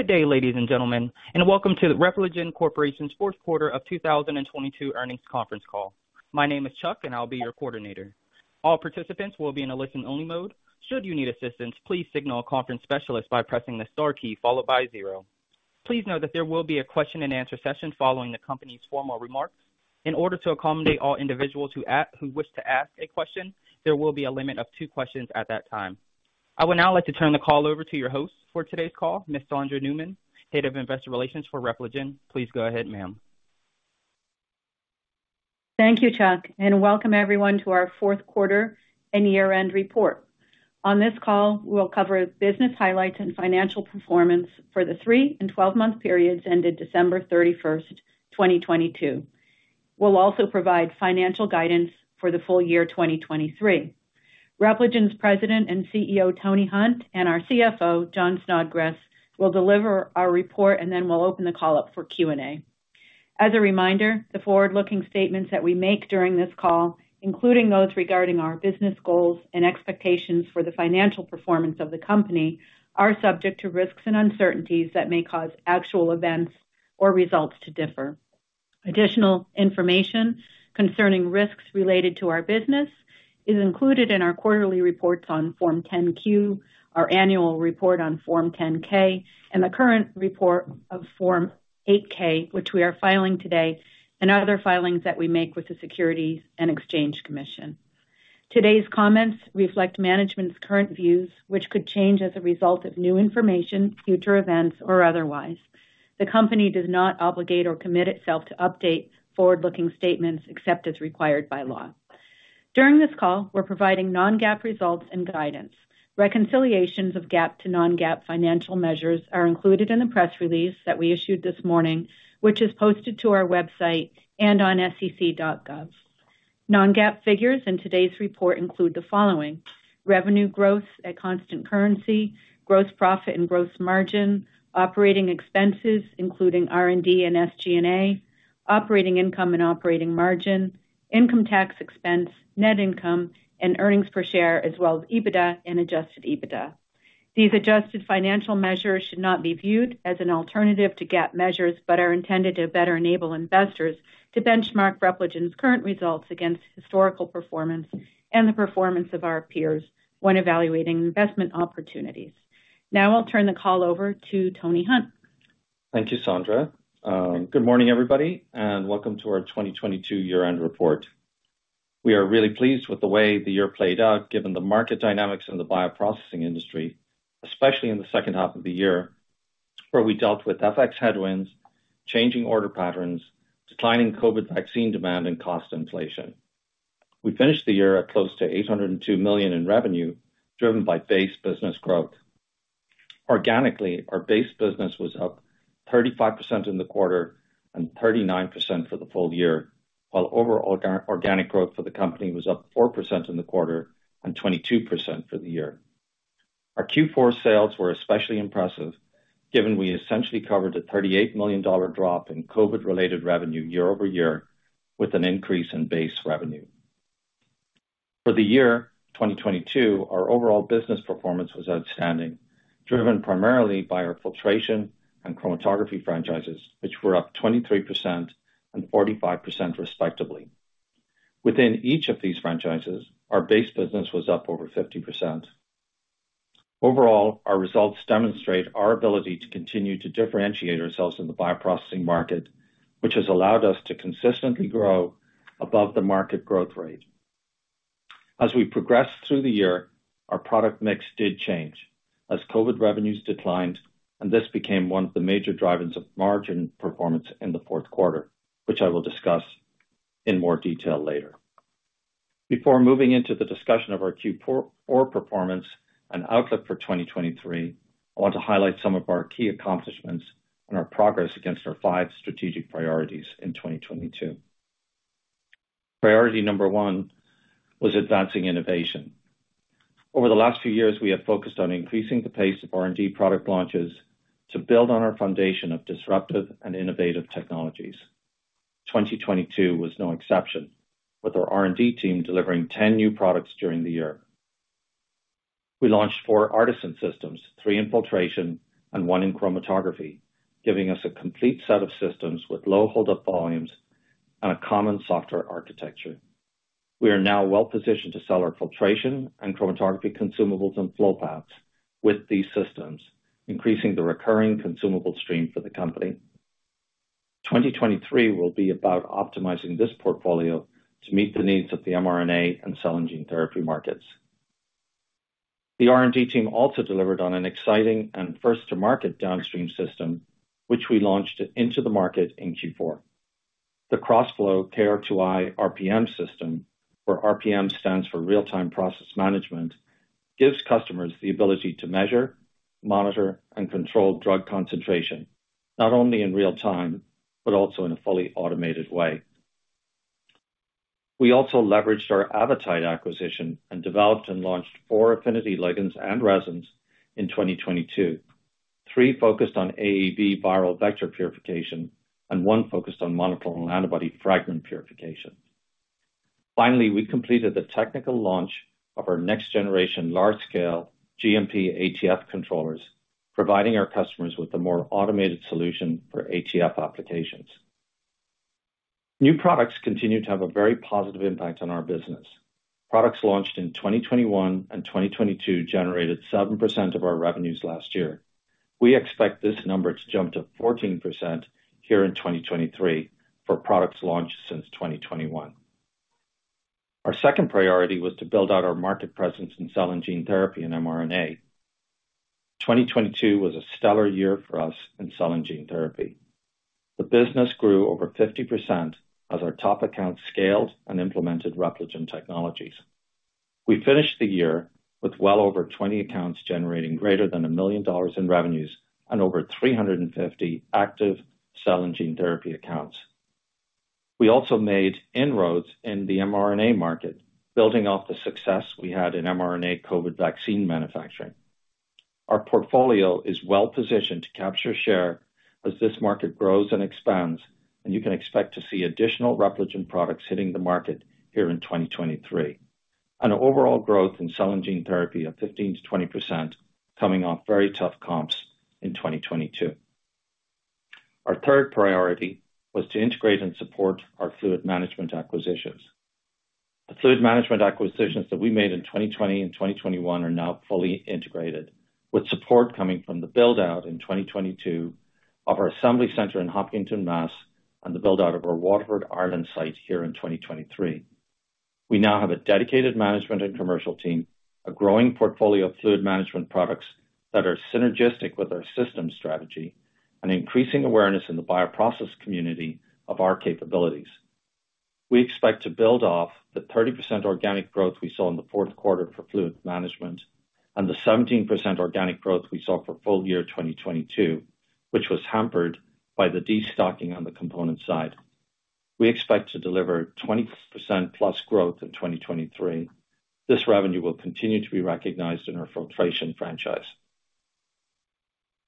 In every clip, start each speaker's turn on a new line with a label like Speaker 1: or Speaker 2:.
Speaker 1: Good day, ladies and gentlemen, and welcome to the Repligen Corporation's fourth quarter of 2022 earnings conference call. My name is Chuck, and I'll be your coordinator. All participants will be in a listen-only mode. Should you need assistance, please signal a conference specialist by pressing the star key followed by zero. Please note that there will be a question-and-answer session following the company's formal remarks. In order to accommodate all individuals who wish to ask a question, there will be a limit of two questions at that time. I would now like to turn the call over to your host for today's call, Miss Sondra Newman, Head of Investor Relations for Repligen. Please go ahead, ma'am.
Speaker 2: Thank you, Chuck, welcome everyone to our fourth quarter and year-end report. On this call, we'll cover business highlights and financial performance for the three and 12-month periods ended December 31st, 2022. We'll also provide financial guidance for the full year 2023. Repligen's President and CEO, Tony Hunt, and our CFO, Jon Snodgres, will deliver our report, and then we'll open the call up for Q&A. As a reminder, the forward-looking statements that we make during this call, including those regarding our business goals and expectations for the financial performance of the company, are subject to risks and uncertainties that may cause actual events or results to differ. Additional information concerning risks related to our business is included in our quarterly reports on Form 10-Q, our annual report on Form 10-K, and the current report of Form 8-K, which we are filing today, and other filings that we make with the Securities and Exchange Commission. Today's comments reflect management's current views, which could change as a result of new information, future events, or otherwise. The company does not obligate or commit itself to update forward-looking statements except as required by law. During this call, we're providing non-GAAP results and guidance. Reconciliations of GAAP to non-GAAP financial measures are included in the press release that we issued this morning, which is posted to our website and on sec.gov. Non-GAAP figures in today's report include the following: revenue growth at constant currency, gross profit and gross margin, operating expenses, including R&D and SG&A, operating income and operating margin, income tax expense, net income and earnings per share, as well as EBITDA and adjusted EBITDA. These adjusted financial measures should not be viewed as an alternative to GAAP measures, but are intended to better enable investors to benchmark Repligen's current results against historical performance and the performance of our peers when evaluating investment opportunities. Now I'll turn the call over to Tony Hunt.
Speaker 3: Thank you, Sondra. Good morning, everybody, and welcome to our 2022 year-end report. We are really pleased with the way the year played out, given the market dynamics in the bioprocessing industry, especially in the second half of the year, where we dealt with FX headwinds, changing order patterns, declining COVID vaccine demand and cost inflation. We finished the year at close to $802 million in revenue, driven by base business growth. Organically, our base business was up 35% in the quarter and 39% for the full year, while overall organic growth for the company was up 4% in the quarter and 22% for the year. Our Q4 sales were especially impressive, given we essentially covered a $38 million drop in COVID-related revenue year-over-year with an increase in base revenue. For the year 2022, our overall business performance was outstanding, driven primarily by our filtration and chromatography franchises, which were up 23% and 45%, respectively. Within each of these franchises, our base business was up over 50%. Overall, our results demonstrate our ability to continue to differentiate ourselves in the bioprocessing market, which has allowed us to consistently grow above the market growth rate. As we progressed through the year, our product mix did change as COVID revenues declined, this became one of the major drivers of margin performance in the fourth quarter, which I will discuss in more detail later. Before moving into the discussion of our Q4 performance and outlook for 2023, I want to highlight some of our key accomplishments and our progress against our five strategic priorities in 2022. Priority number one was advancing innovation. Over the last few years, we have focused on increasing the pace of R&D product launches to build on our foundation of disruptive and innovative technologies. 2022 was no exception, with our R&D team delivering 10 new products during the year. We launched four ARTeSYN systems, three in filtration and one in chromatography, giving us a complete set of systems with low holdup volumes and a common software architecture. We are now well positioned to sell our filtration and chromatography consumables and flow paths with these systems, increasing the recurring consumable stream for the company. 2023 will be about optimizing this portfolio to meet the needs of the mRNA and cell and gene therapy markets. The R&D team also delivered on an exciting and first-to-market downstream system, which we launched into the market in Q4. The KrosFlo KR2i RPM system, where RPM stands for Real-time Process Management, gives customers the ability to measure, monitor, and control drug concentration not only in real time, but also in a fully automated way. We also leveraged our Avitide acquisition and developed and launched four affinity ligands and resins in 2022. Three focused on AAV viral vector purification and one focused on monoclonal antibody fragment purification. We completed the technical launch of our next generation large scale GMP ATF controllers, providing our customers with a more automated solution for ATF applications. New products continue to have a very positive impact on our business. Products launched in 2021 and 2022 generated 7% of our revenues last year. We expect this number to jump to 14% here in 2023 for products launched since 2021. Our second priority was to build out our market presence in cell and gene therapy and mRNA. 2022 was a stellar year for us in cell and gene therapy. The business grew over 50% as our top accounts scaled and implemented Repligen technologies. We finished the year with well over 20 accounts generating greater than $1 million in revenues and over 350 active cell and gene therapy accounts. We also made inroads in the mRNA market, building off the success we had in mRNA COVID vaccine manufacturing. Our portfolio is well positioned to capture share as this market grows and expands. You can expect to see additional Repligen products hitting the market here in 2023, and overall growth in cell and gene therapy of 15%-20% coming off very tough comps in 2022. Our third priority was to integrate and support our fluid management acquisitions. The fluid management acquisitions that we made in 2020 and 2021 are now fully integrated, with support coming from the build out in 2022 of our assembly center in Hopkinton, Mass., and the build out of our Waterford, Ireland site here in 2023. We now have a dedicated management and commercial team, a growing portfolio of fluid management products that are synergistic with our system strategy, an increasing awareness in the bioprocess community of our capabilities. We expect to build off the 30% organic growth we saw in the fourth quarter for fluid management and the 17% organic growth we saw for full year 2022, which was hampered by the destocking on the component side. We expect to deliver 20%+ growth in 2023. This revenue will continue to be recognized in our filtration franchise.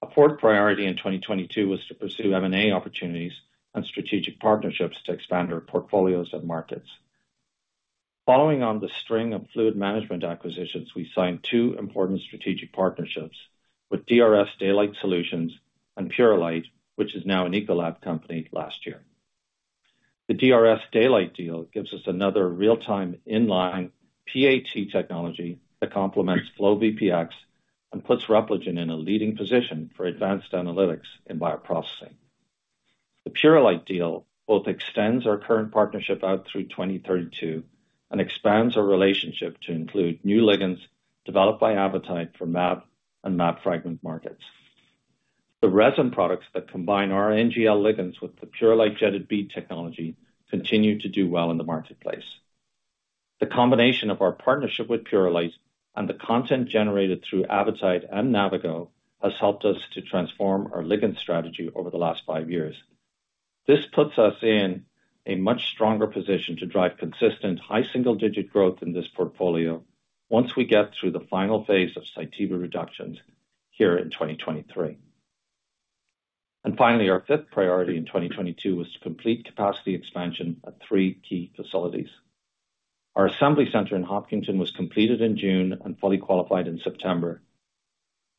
Speaker 3: A fourth priority in 2022 was to pursue M&A opportunities and strategic partnerships to expand our portfolios and markets. Following on the string of fluid management acquisitions, we signed two important strategic partnerships with DRS Daylight Solutions and Purolite, which is now an Ecolab company, last year. The DRS Daylight deal gives us another real-time inline PAT technology that complements FlowVPX and puts Repligen in a leading position for advanced analytics in bioprocessing. The Purolite deal both extends our current partnership out through 2032 and expands our relationship to include new ligands developed by Avitide for mAb and mAb fragment markets. The resin products that combine our NGL ligands with the Purolite jetted bead technology continue to do well in the marketplace. The combination of our partnership with Purolite and the content generated through Avitide and Navigo has helped us to transform our ligand strategy over the last five years. This puts us in a much stronger position to drive consistent high single-digit growth in this portfolio once we get through the final phase of Cytiva reductions here in 2023. Finally, our fifth priority in 2022 was to complete capacity expansion at three key facilities. Our assembly center in Hopkinton was completed in June and fully qualified in September.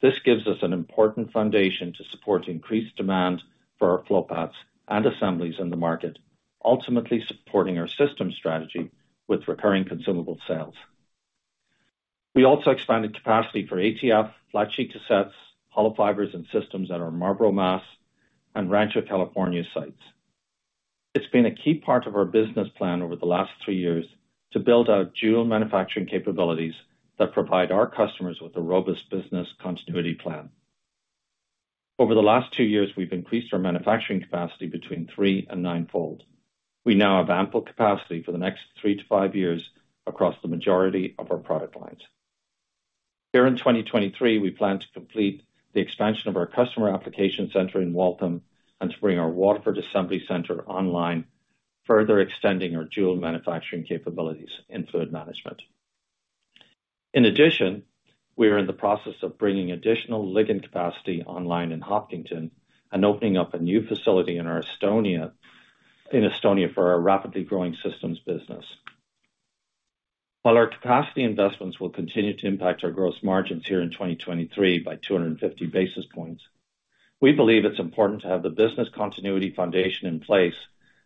Speaker 3: This gives us an important foundation to support increased demand for our flow paths and assemblies in the market, ultimately supporting our system strategy with recurring consumable sales. We also expanded capacity for ATF, flat sheet cassettes, hollow fibers and systems at our Marlborough, Mass, and Rancho, California sites. It's been a key part of our business plan over the last three years to build out dual manufacturing capabilities that provide our customers with a robust business continuity plan. Over the last two years, we've increased our manufacturing capacity between three and ninefold. We now have ample capacity for the next three to five years across the majority of our product lines. Here in 2023, we plan to complete the expansion of our customer application center in Waltham and to bring our Waterford assembly center online, further extending our dual manufacturing capabilities in fluid management. In addition, we are in the process of bringing additional ligand capacity online in Hopkinton and opening up a new facility in Estonia for our rapidly growing systems business. While our capacity investments will continue to impact our gross margins here in 2023 by 250 basis points, we believe it's important to have the business continuity foundation in place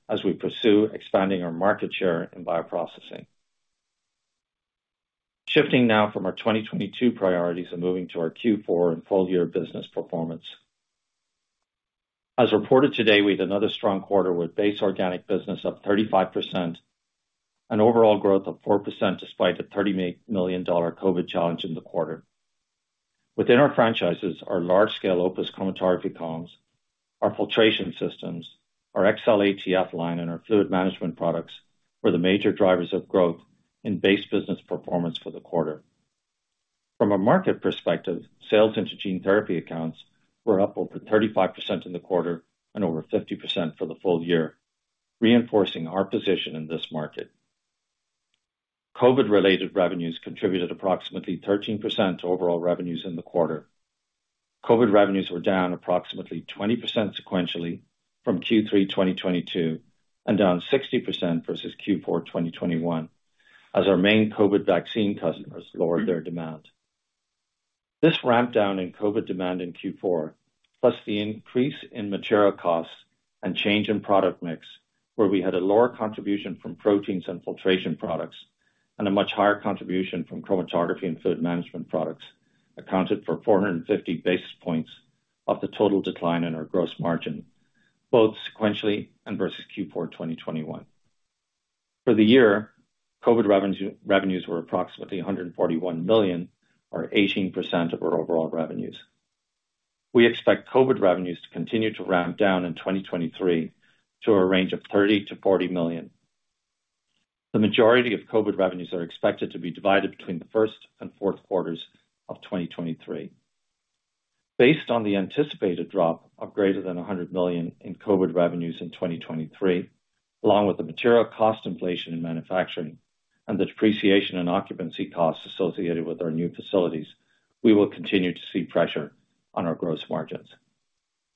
Speaker 3: as we pursue expanding our market share in bioprocessing. Shifting now from our 2022 priorities and moving to our Q4 and full year business performance. As reported today, we had another strong quarter with base organic business up 35% and overall growth of 4% despite the $30 million COVID challenge in the quarter. Within our franchises, our large scale OPUS chromatography columns, our filtration systems, our Xcel ATF line, and our fluid management products were the major drivers of growth in base business performance for the quarter. From a market perspective, sales into gene therapy accounts were up over 35% in the quarter and over 50% for the full year, reinforcing our position in this market. COVID-related revenues contributed approximately 13% to overall revenues in the quarter. COVID revenues were down approximately 20% sequentially from Q3 2022, and down 60% versus Q4 2021, as our main COVID vaccine customers lowered their demand. This ramp down in COVID demand in Q4, plus the increase in material costs and change in product mix, where we had a lower contribution from proteins and filtration products, and a much higher contribution from chromatography and fluid management products, accounted for 450 basis points of the total decline in our gross margin, both sequentially and versus Q4 2021. For the year, COVID revenues were approximately $141 million, or 18% of our overall revenues. We expect COVID revenues to continue to ramp down in 2023 to a range of $30 million-$40 million. The majority of COVID revenues are expected to be divided between the first and fourth quarters of 2023. Based on the anticipated drop of greater than $100 million in COVID revenues in 2023, along with the material cost inflation in manufacturing and the depreciation and occupancy costs associated with our new facilities, we will continue to see pressure on our gross margins.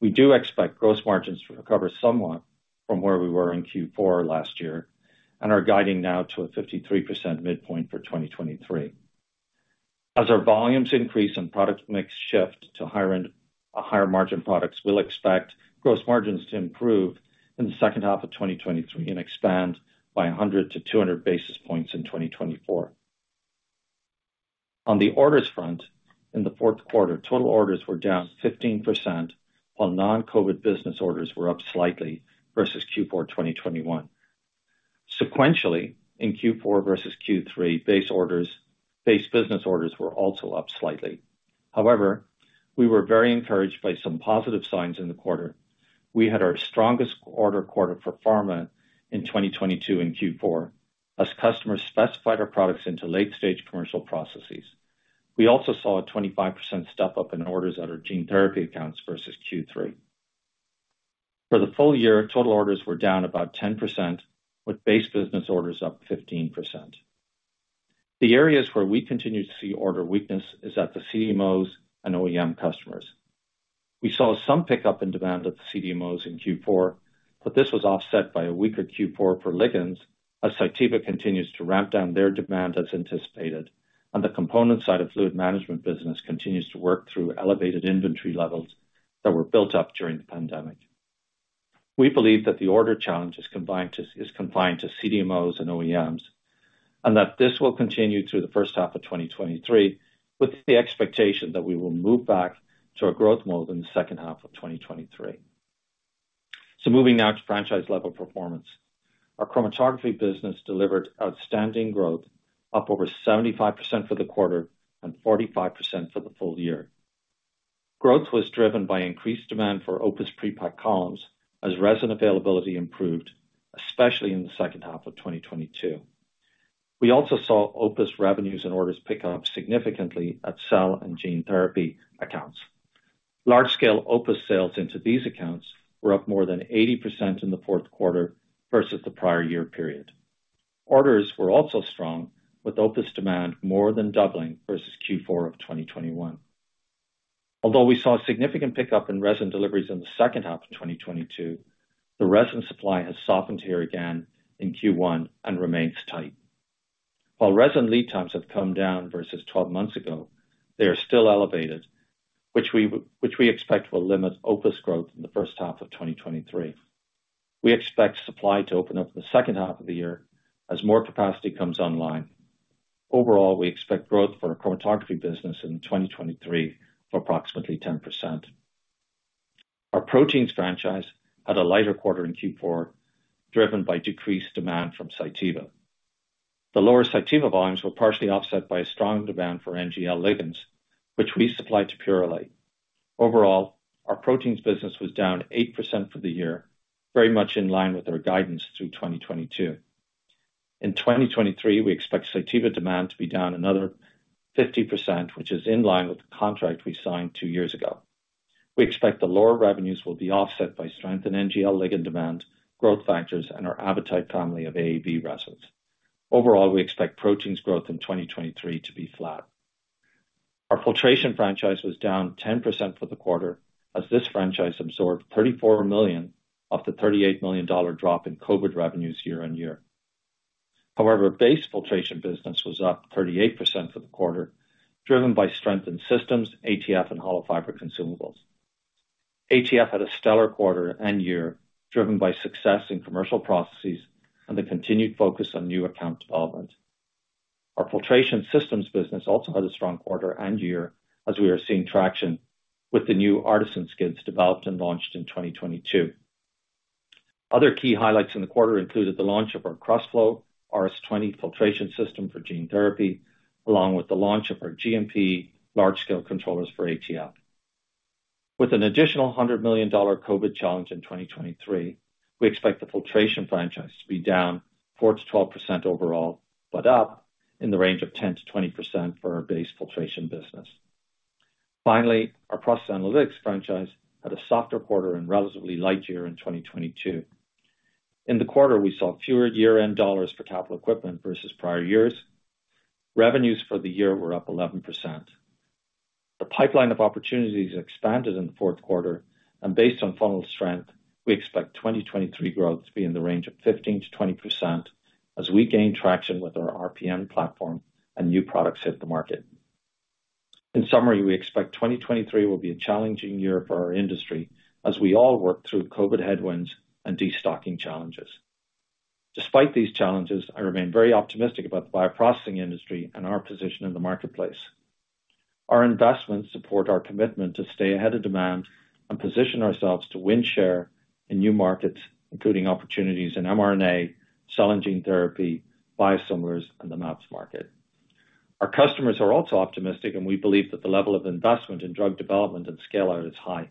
Speaker 3: We do expect gross margins to recover somewhat from where we were in Q4 last year and are guiding now to a 53% midpoint for 2023. As our volumes increase and product mix shift to higher end, higher margin products, we'll expect gross margins to improve in the second half of 2023 and expand by 100-200 basis points in 2024. On the orders front, in the fourth quarter, total orders were down 15%, while non-COVID business orders were up slightly versus Q4 2021. Sequentially, in Q4 versus Q3, base orders, base business orders were also up slightly. We were very encouraged by some positive signs in the quarter. We had our strongest order quarter for pharma in 2022 in Q4 as customers specified our products into late-stage commercial processes. We also saw a 25% step-up in orders at our gene therapy accounts versus Q3. For the full year, total orders were down about 10%, with base business orders up 15%. The areas where we continue to see order weakness is at the CDMOs and OEM customers. We saw some pickup in demand at the CDMOs in Q4, but this was offset by a weaker Q4 for ligands as Cytiva continues to ramp down their demand as anticipated, and the component side of fluid management business continues to work through elevated inventory levels that were built up during the pandemic. We believe that the order challenge is confined to CDMOs and OEMs, and that this will continue through the first half of 2023 with the expectation that we will move back to a growth mode in the second half of 2023. Moving now to franchise-level performance. Our chromatography business delivered outstanding growth, up over 75% for the quarter and 45% for the full year. Growth was driven by increased demand for OPUS Pre-packed Columns as resin availability improved, especially in the second half of 2022. We also saw OPUS revenues and orders pick up significantly at cell and gene therapy accounts. Large-scale OPUS sales into these accounts were up more than 80% in the fourth quarter versus the prior year period. Orders were also strong, with OPUS demand more than doubling versus Q4 of 2021. We saw a significant pickup in resin deliveries in the second half of 2022, the resin supply has softened here again in Q1 and remains tight. While resin lead times have come down versus 12 months ago, they are still elevated, which we expect will limit OPUS growth in the first half of 2023. We expect supply to open up in the second half of the year as more capacity comes online. Overall, we expect growth for our chromatography business in 2023 of approximately 10%. Our proteins franchise had a lighter quarter in Q4, driven by decreased demand from Cytiva. The lower Cytiva volumes were partially offset by a strong demand for NGL ligands, which we supply to Purolite. Overall, our proteins business was down 8% for the year, very much in line with our guidance through 2022. In 2023, we expect Cytiva demand to be down another 50%, which is in line with the contract we signed two years ago. We expect the lower revenues will be offset by strength in NGL ligand demand, growth factors, and our Avitide family of AAV resins. Overall, we expect proteins growth in 2023 to be flat. Our filtration franchise was down 10% for the quarter as this franchise absorbed $34 million of the $38 million drop in COVID revenues year-on-year. Base filtration business was up 38% for the quarter, driven by strength in systems, ATF, and hollow fiber consumables. ATF had a stellar quarter and year, driven by success in commercial processes and the continued focus on new account development. Our filtration systems business also had a strong quarter and year as we are seeing traction with the new ARTeSYN skids developed and launched in 2022. Other key highlights in the quarter included the launch of our KrosFlo RS 20 filtration system for gene therapy, along with the launch of our GMP large-scale controllers for ATF. With an additional $100 million COVID challenge in 2023, we expect the filtration franchise to be down 4%-12% overall, but up in the range of 10%-20% for our base filtration business. Our process analytics franchise had a softer quarter and relatively light year in 2022. In the quarter, we saw fewer year-end dollars for capital equipment versus prior years. Revenues for the year were up 11%. The pipeline of opportunities expanded in the fourth quarter and based on funnel strength, we expect 2023 growth to be in the range of 15%-20% as we gain traction with our RPM platform and new products hit the market. In summary, we expect 2023 will be a challenging year for our industry as we all work through COVID headwinds and destocking challenges. Despite these challenges, I remain very optimistic about the bioprocessing industry and our position in the marketplace. Our investments support our commitment to stay ahead of demand and position ourselves to win share in new markets, including opportunities in mRNA, cell and gene therapy, biosimilars, and the mAbs market. Our customers are also optimistic. We believe that the level of investment in drug development and scale-out is high.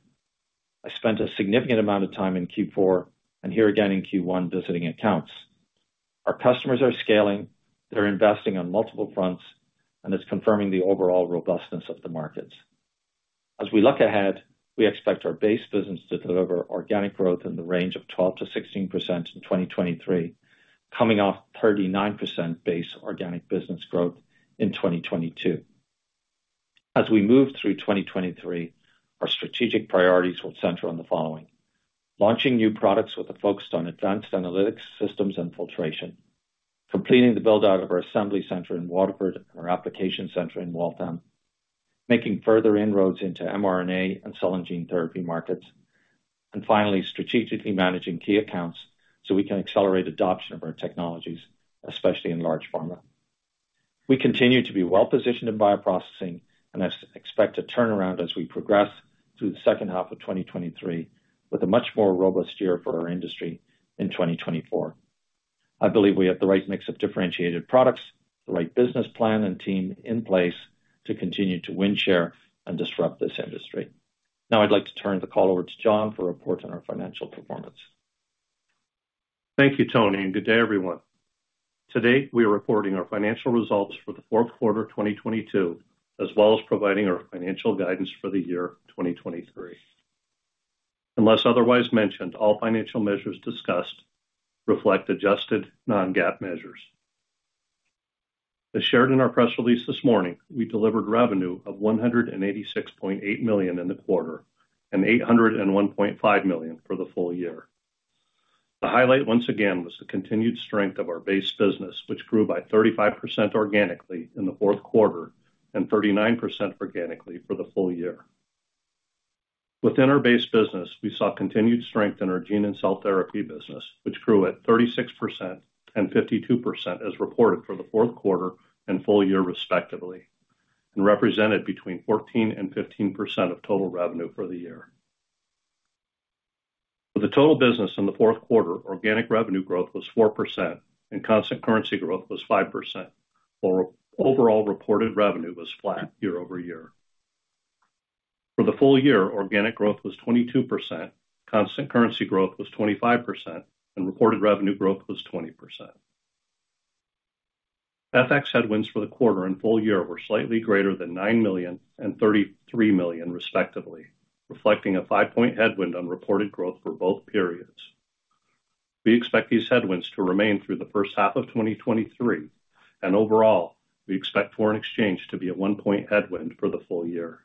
Speaker 3: I spent a significant amount of time in Q4 and here again in Q1 visiting accounts. Our customers are scaling, they're investing on multiple fronts. It's confirming the overall robustness of the markets. We look ahead, we expect our base business to deliver organic growth in the range of 12%-16% in 2023, coming off 39% base organic business growth in 2022. As we move through 2023, our strategic priorities will center on the following. Launching new products with a focus on advanced analytics systems and filtration. Completing the build-out of our assembly center in Waterford and our application center in Waltham. Making further inroads into mRNA and cell and gene therapy markets. Finally, strategically managing key accounts so we can accelerate adoption of our technologies, especially in large pharma. We continue to be well-positioned in bioprocessing and expect a turnaround as we progress through the second half of 2023 with a much more robust year for our industry in 2024. I believe we have the right mix of differentiated products, the right business plan and team in place to continue to win, share, and disrupt this industry. Now I'd like to turn the call over to Jon for a report on our financial performance.
Speaker 4: Thank you, Tony. Good day, everyone. Today, we are reporting our financial results for the fourth quarter of 2022, as well as providing our financial guidance for the year 2023. Unless otherwise mentioned, all financial measures discussed reflect adjusted non-GAAP measures. As shared in our press release this morning, we delivered revenue of $186.8 million in the quarter and $801.5 million for the full year. The highlight, once again, was the continued strength of our base business, which grew by 35% organically in the fourth quarter and 39% organically for the full year. Within our base business, we saw continued strength in our gene and cell therapy business, which grew at 36% and 52% as reported for the fourth quarter and full year respectively, and represented between 14% and 15% of total revenue for the year. For the total business in the fourth quarter, organic revenue growth was 4% and constant currency growth was 5%, while overall reported revenue was flat year-over-year. For the full year, organic growth was 22%, constant currency growth was 25%, and reported revenue growth was 20%. FX headwinds for the quarter and full year were slightly greater than $9 million and $33 million respectively, reflecting a five-point headwind on reported growth for both periods. We expect these headwinds to remain through the first half of 2023. Overall, we expect foreign exchange to be a one-point headwind for the full year.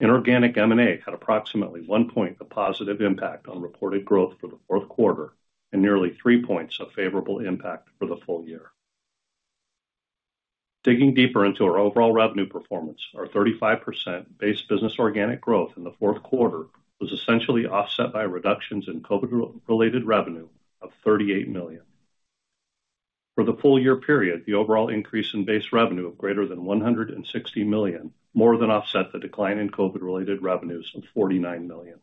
Speaker 4: Inorganic M&A had approximately one point of positive impact on reported growth for the fourth quarter and nearly three points of favorable impact for the full year. Digging deeper into our overall revenue performance, our 35% base business organic growth in the fourth quarter was essentially offset by reductions in COVID-related revenue of $38 million. For the full year period, the overall increase in base revenue of greater than $160 million more than offset the decline in COVID-related revenues of $49 million.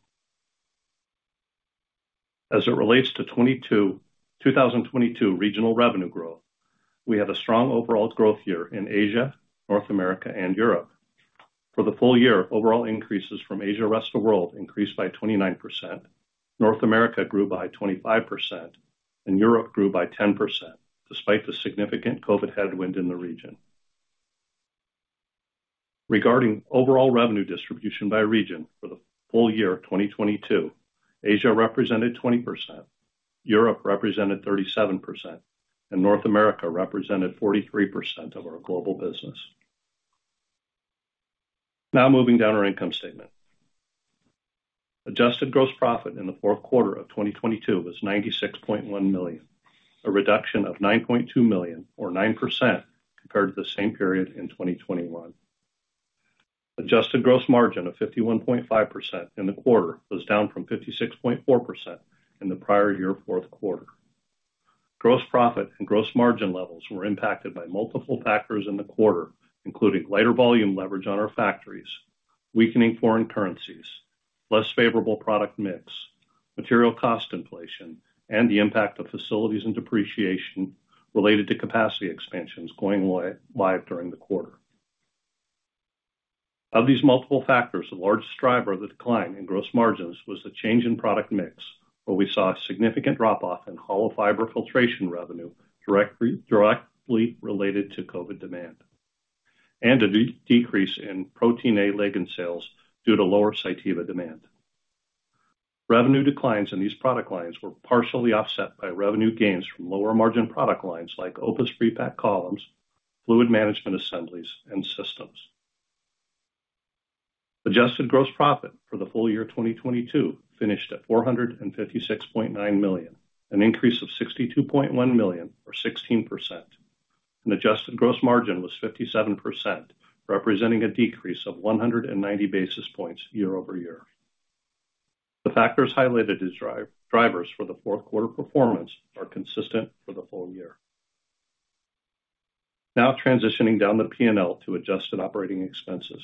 Speaker 4: As it relates to 2022 regional revenue growth, we had a strong overall growth year in Asia, North America, and Europe. For the full year, overall increases from Asia, rest of world increased by 29%. North America grew by 25%, and Europe grew by 10%, despite the significant COVID headwind in the region. Regarding overall revenue distribution by region for the full year of 2022, Asia represented 20%, Europe represented 37%, and North America represented 43% of our global business. Moving down our income statement. Adjusted gross profit in the fourth quarter of 2022 was $96.1 million, a reduction of $9.2 million or 9% compared to the same period in 2021. Adjusted gross margin of 51.5% in the quarter was down from 56.4% in the prior year fourth quarter. Gross profit and gross margin levels were impacted by multiple factors in the quarter, including lighter volume leverage on our factories, weakening foreign currencies, less favorable product mix, material cost inflation, and the impact of facilities and depreciation related to capacity expansions going live during the quarter. Of these multiple factors, the largest driver of the decline in gross margins was the change in product mix, where we saw a significant drop-off in hollow fiber filtration revenue directly related to COVID demand. A decrease in Protein A ligand sales due to lower Cytiva demand. Revenue declines in these product lines were partially offset by revenue gains from lower margin product lines like OPUS Pre-packed Columns, fluid management assemblies and systems. Adjusted gross profit for the full year 2022 finished at $456.9 million, an increase of $62.1 million or 16%. Adjusted gross margin was 57%, representing a decrease of 190 basis points year-over-year. The factors highlighted as drivers for the fourth quarter performance are consistent for the full year. Now transitioning down the P&L to adjusted operating expenses.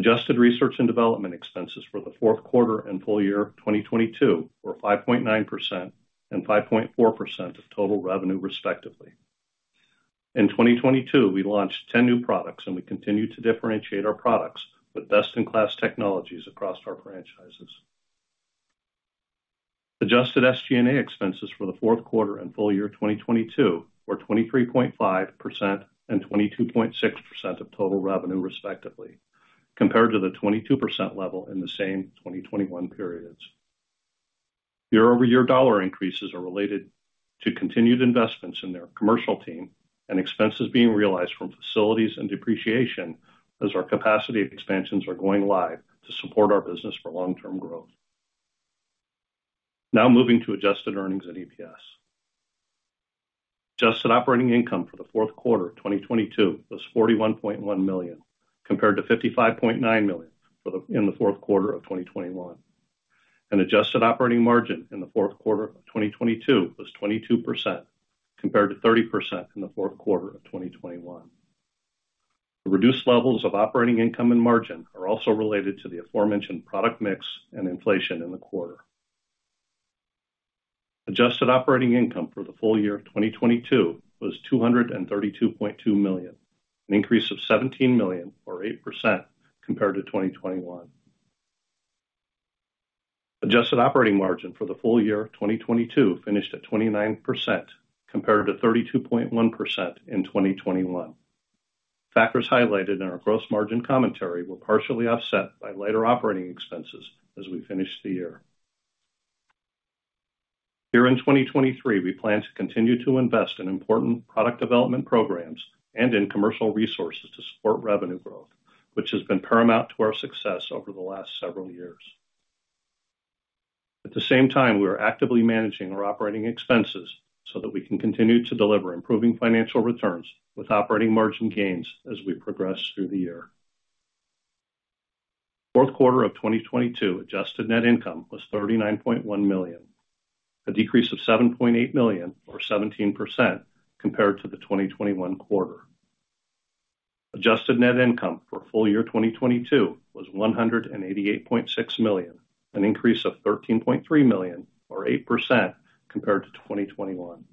Speaker 4: Adjusted research and development expenses for the fourth quarter and full year 2022 were 5.9% and 5.4% of total revenue, respectively. In 2022, we launched 10 new products, and we continue to differentiate our products with best-in-class technologies across our franchises. Adjusted SG&A expenses for the fourth quarter and full year 2022 were 23.5% and 22.6% of total revenue, respectively, compared to the 22% level in the same 2021 periods. Year-over-year dollar increases are related to continued investments in their commercial team and expenses being realized from facilities and depreciation as our capacity expansions are going live to support our business for long-term growth. Now moving to adjusted earnings and EPS. Adjusted operating income for the fourth quarter of 2022 was $41.1 million, compared to $55.9 million in the fourth quarter of 2021. Adjusted operating margin in the fourth quarter of 2022 was 22%, compared to 30% in the fourth quarter of 2021. The reduced levels of operating income and margin are also related to the aforementioned product mix and inflation in the quarter. Adjusted operating income for the full year of 2022 was $232.2 million, an increase of $17 million or 8% compared to 2021. Adjusted operating margin for the full year of 2022 finished at 29%, compared to 32.1% in 2021. Factors highlighted in our gross margin commentary were partially offset by lighter operating expenses as we finished the year. Here in 2023, we plan to continue to invest in important product development programs and in commercial resources to support revenue growth, which has been paramount to our success over the last several years. At the same time, we are actively managing our operating expenses so that we can continue to deliver improving financial returns with operating margin gains as we progress through the year. Fourth quarter of 2022 adjusted net income was $39.1 million, a decrease of $7.8 million or 17% compared to the 2021 quarter. Adjusted net income for full year 2022 was $188.6 million, an increase of $13.3 million or 8% compared to 2021.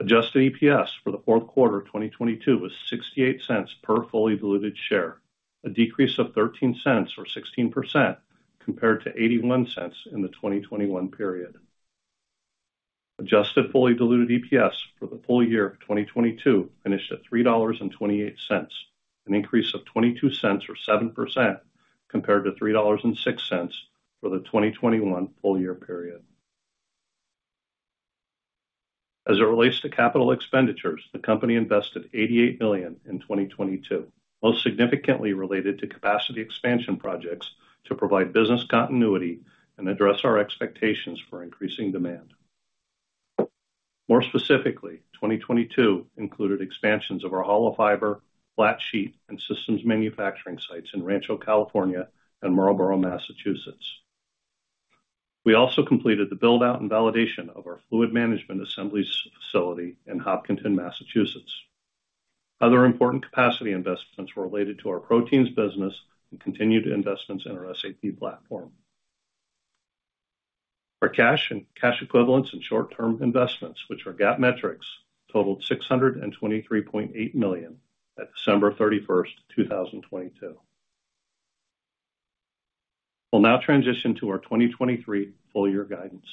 Speaker 4: Adjusted EPS for the fourth quarter of 2022 was $0.68 per fully diluted share, a decrease of $0.13 or 16% compared To $0.81 in the 2021 period. Adjusted fully diluted EPS for the full year of 2022 finished at $3.28, an increase of $0.22 or 7% compared to $3.06 for the 2021 full year period. As it relates to capital expenditures, the company invested $88 million in 2022. Most significantly related to capacity expansion projects to provide business continuity and address our expectations for increasing demand. More specifically, 2022 included expansions of our hollow fiber, flat sheet, and systems manufacturing sites in Rancho Dominguez, California and Marlborough, Massachusetts. We also completed the build-out and validation of our fluid management assemblies facility in Hopkinton, Massachusetts. Other important capacity investments related to our proteins business and continued investments in our SAP platform. Our cash and cash equivalents and short-term investments, which are GAAP metrics, totaled $623.8 million at December 31st, 2022. We'll now transition to our 2023 full year guidance.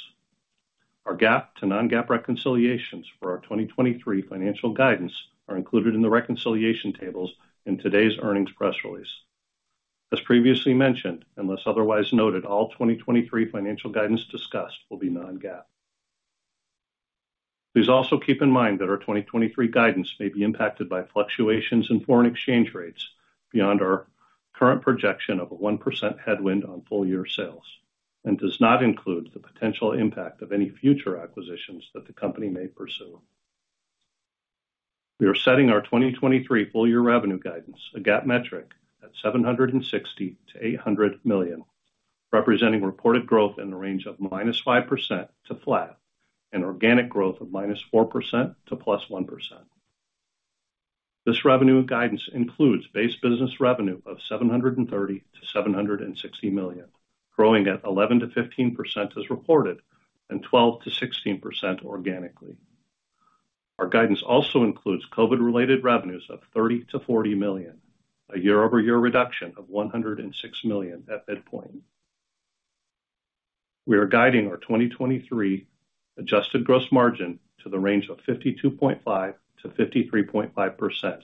Speaker 4: Our GAAP to non-GAAP reconciliations for our 2023 financial guidance are included in the reconciliation tables in today's earnings press release. As previously mentioned, unless otherwise noted, all 2023 financial guidance discussed will be non-GAAP. Please also keep in mind that our 2023 guidance may be impacted by fluctuations in foreign exchange rates beyond our current projection of a 1% headwind on full year sales, and does not include the potential impact of any future acquisitions that the company may pursue. We are setting our 2023 full year revenue guidance, a GAAP metric, at $760 million-$800 million, representing reported growth in the range of -5% to flat, and organic growth of -4% to +1%. This revenue guidance includes base business revenue of $730 million-$760 million, growing at 11%-15% as reported, and 12%-16% organically. Our guidance also includes COVID-related revenues of $30 million-$40 million, a year-over-year reduction of $106 million at midpoint. We are guiding our 2023 adjusted gross margin to the range of 52.5%-53.5%,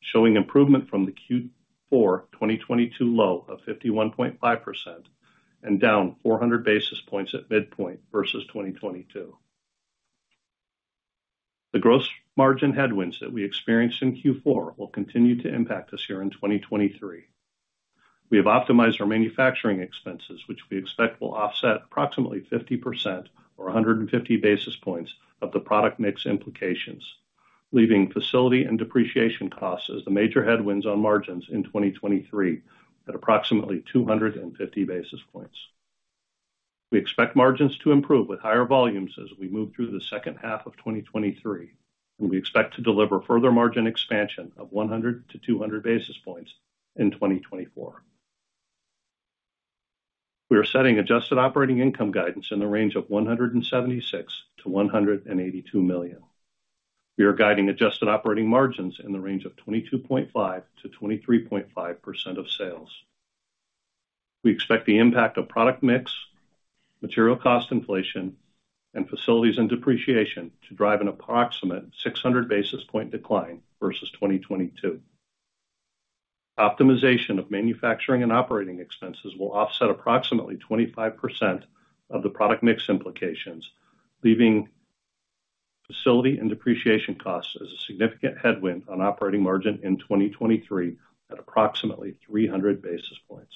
Speaker 4: showing improvement from the Q4 2022 low of 51.5% and down 400 basis points at midpoint versus 2022. The gross margin headwinds that we experienced in Q4 will continue to impact us here in 2023. We have optimized our manufacturing expenses, which we expect will offset approximately 50% or 150 basis points of the product mix implications, leaving facility and depreciation costs as the major headwinds on margins in 2023 at approximately 250 basis points. We expect margins to improve with higher volumes as we move through the second half of 2023. We expect to deliver further margin expansion of 100-200 basis points in 2024. We are setting adjusted operating income guidance in the range of $176 million-$182 million. We are guiding adjusted operating margins in the range of 22.5%-23.5% of sales. We expect the impact of product mix, material cost inflation, and facilities and depreciation to drive an approximate 600 basis point decline versus 2022. Optimization of manufacturing and operating expenses will offset approximately 25% of the product mix implications, leaving facility and depreciation costs as a significant headwind on operating margin in 2023 at approximately 300 basis points.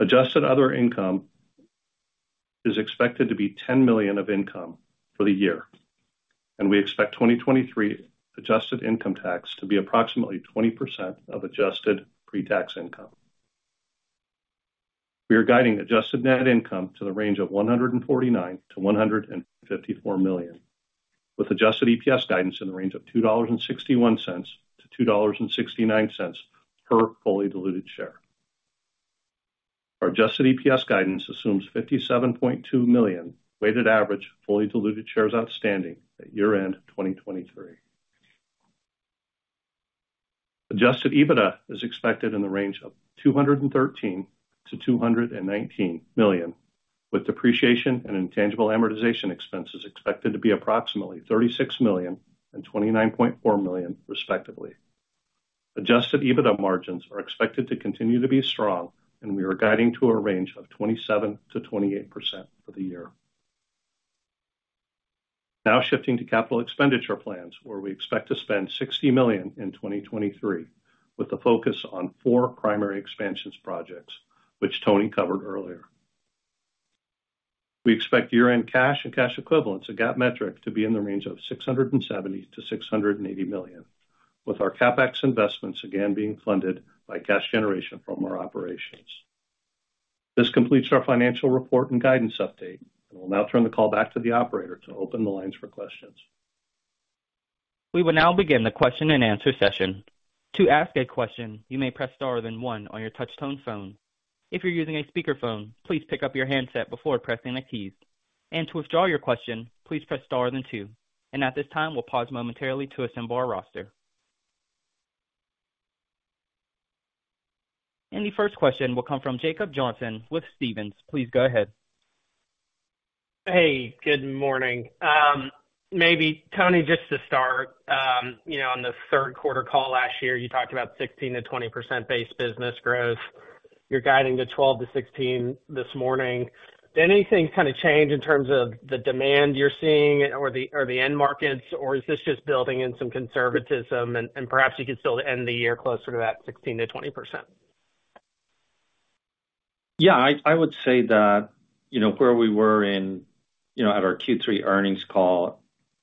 Speaker 4: Adjusted other income is expected to be $10 million of income for the year, and we expect 2023 adjusted income tax to be approximately 20% of adjusted pre-tax income. We are guiding adjusted net income to the range of $149 million-$154 million, with adjusted EPS guidance in the range of $2.61-$2.69 per fully diluted share. Our adjusted EPS guidance assumes $57.2 million weighted average fully diluted shares outstanding at year-end 2023. Adjusted EBITDA is expected in the range of $213 million-$219 million, with depreciation and intangible amortization expenses expected to be approximately $36 million and $29.4 million, respectively. Adjusted EBITDA margins are expected to continue to be strong. We are guiding to a range of 27%-28% for the year. Now shifting to capital expenditure plans, where we expect to spend $60 million in 2023, with a focus on four primary expansions projects which Tony covered earlier. We expect year-end cash and cash equivalents, a GAAP metric, to be in the range of $670 million-$680 million, with our CapEx investments again being funded by cash generation from our operations. This completes our financial report and guidance update. I will now turn the call back to the operator to open the lines for questions.
Speaker 1: We will now begin the question-and-answer session. To ask a question, you may press star then one on your touch tone phone. If you're using a speakerphone, please pick up your handset before pressing the keys. To withdraw your question, please press star then two. At this time, we'll pause momentarily to assemble our roster. The first question will come from Jacob Johnson with Stephens. Please go ahead.
Speaker 5: Hey, good morning. Maybe Tony, just to start, you know, on the third quarter call last year, you talked about 16%-20% base business growth. You're guiding to 12%-16% this morning. Did anything kind of change in terms of the demand you're seeing or the end markets? Is this just building in some conservatism and perhaps you could still end the year closer to that 16%-20%?
Speaker 3: Yeah, I would say that, you know, where we were in, you know, at our Q3 earnings call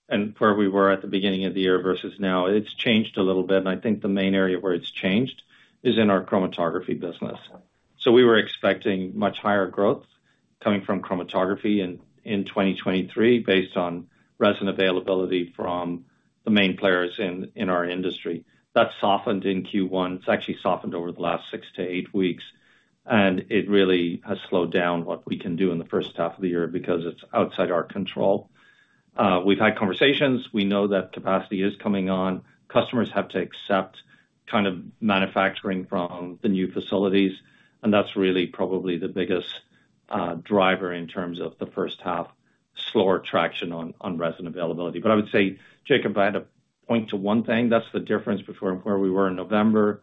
Speaker 3: and where we were at the beginning of the year versus now, it's changed a little bit. I think the main area where it's changed is in our chromatography business. We were expecting much higher growth coming from chromatography in 2023 based on resin availability from the main players in our industry. That softened in Q1. It's actually softened over the last six to eight weeks, and it really has slowed down what we can do in the first half of the year because it's outside our control. We've had conversations. We know that capacity is coming on. Customers have to accept kind of manufacturing from the new facilities, that's really probably the biggest, driver in terms of the first half slower traction on resin availability. I would say, Jacob, if I had to point to one thing, that's the difference between where we were in November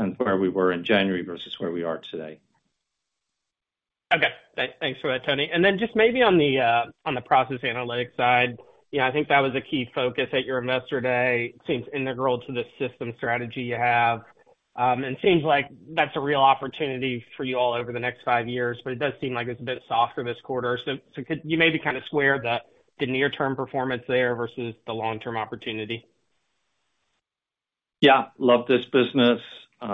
Speaker 3: and where we were in January versus where we are today.
Speaker 5: Okay. Thanks for that, Tony. Then just maybe on the process analytics side. You know, I think that was a key focus at your Investor Day. Seems integral to the system strategy you have. And seems like that's a real opportunity for you all over the next five years, but it does seem like it's a bit softer this quarter. Could you maybe kind of square the near-term performance there versus the long-term opportunity?
Speaker 3: Love this business. You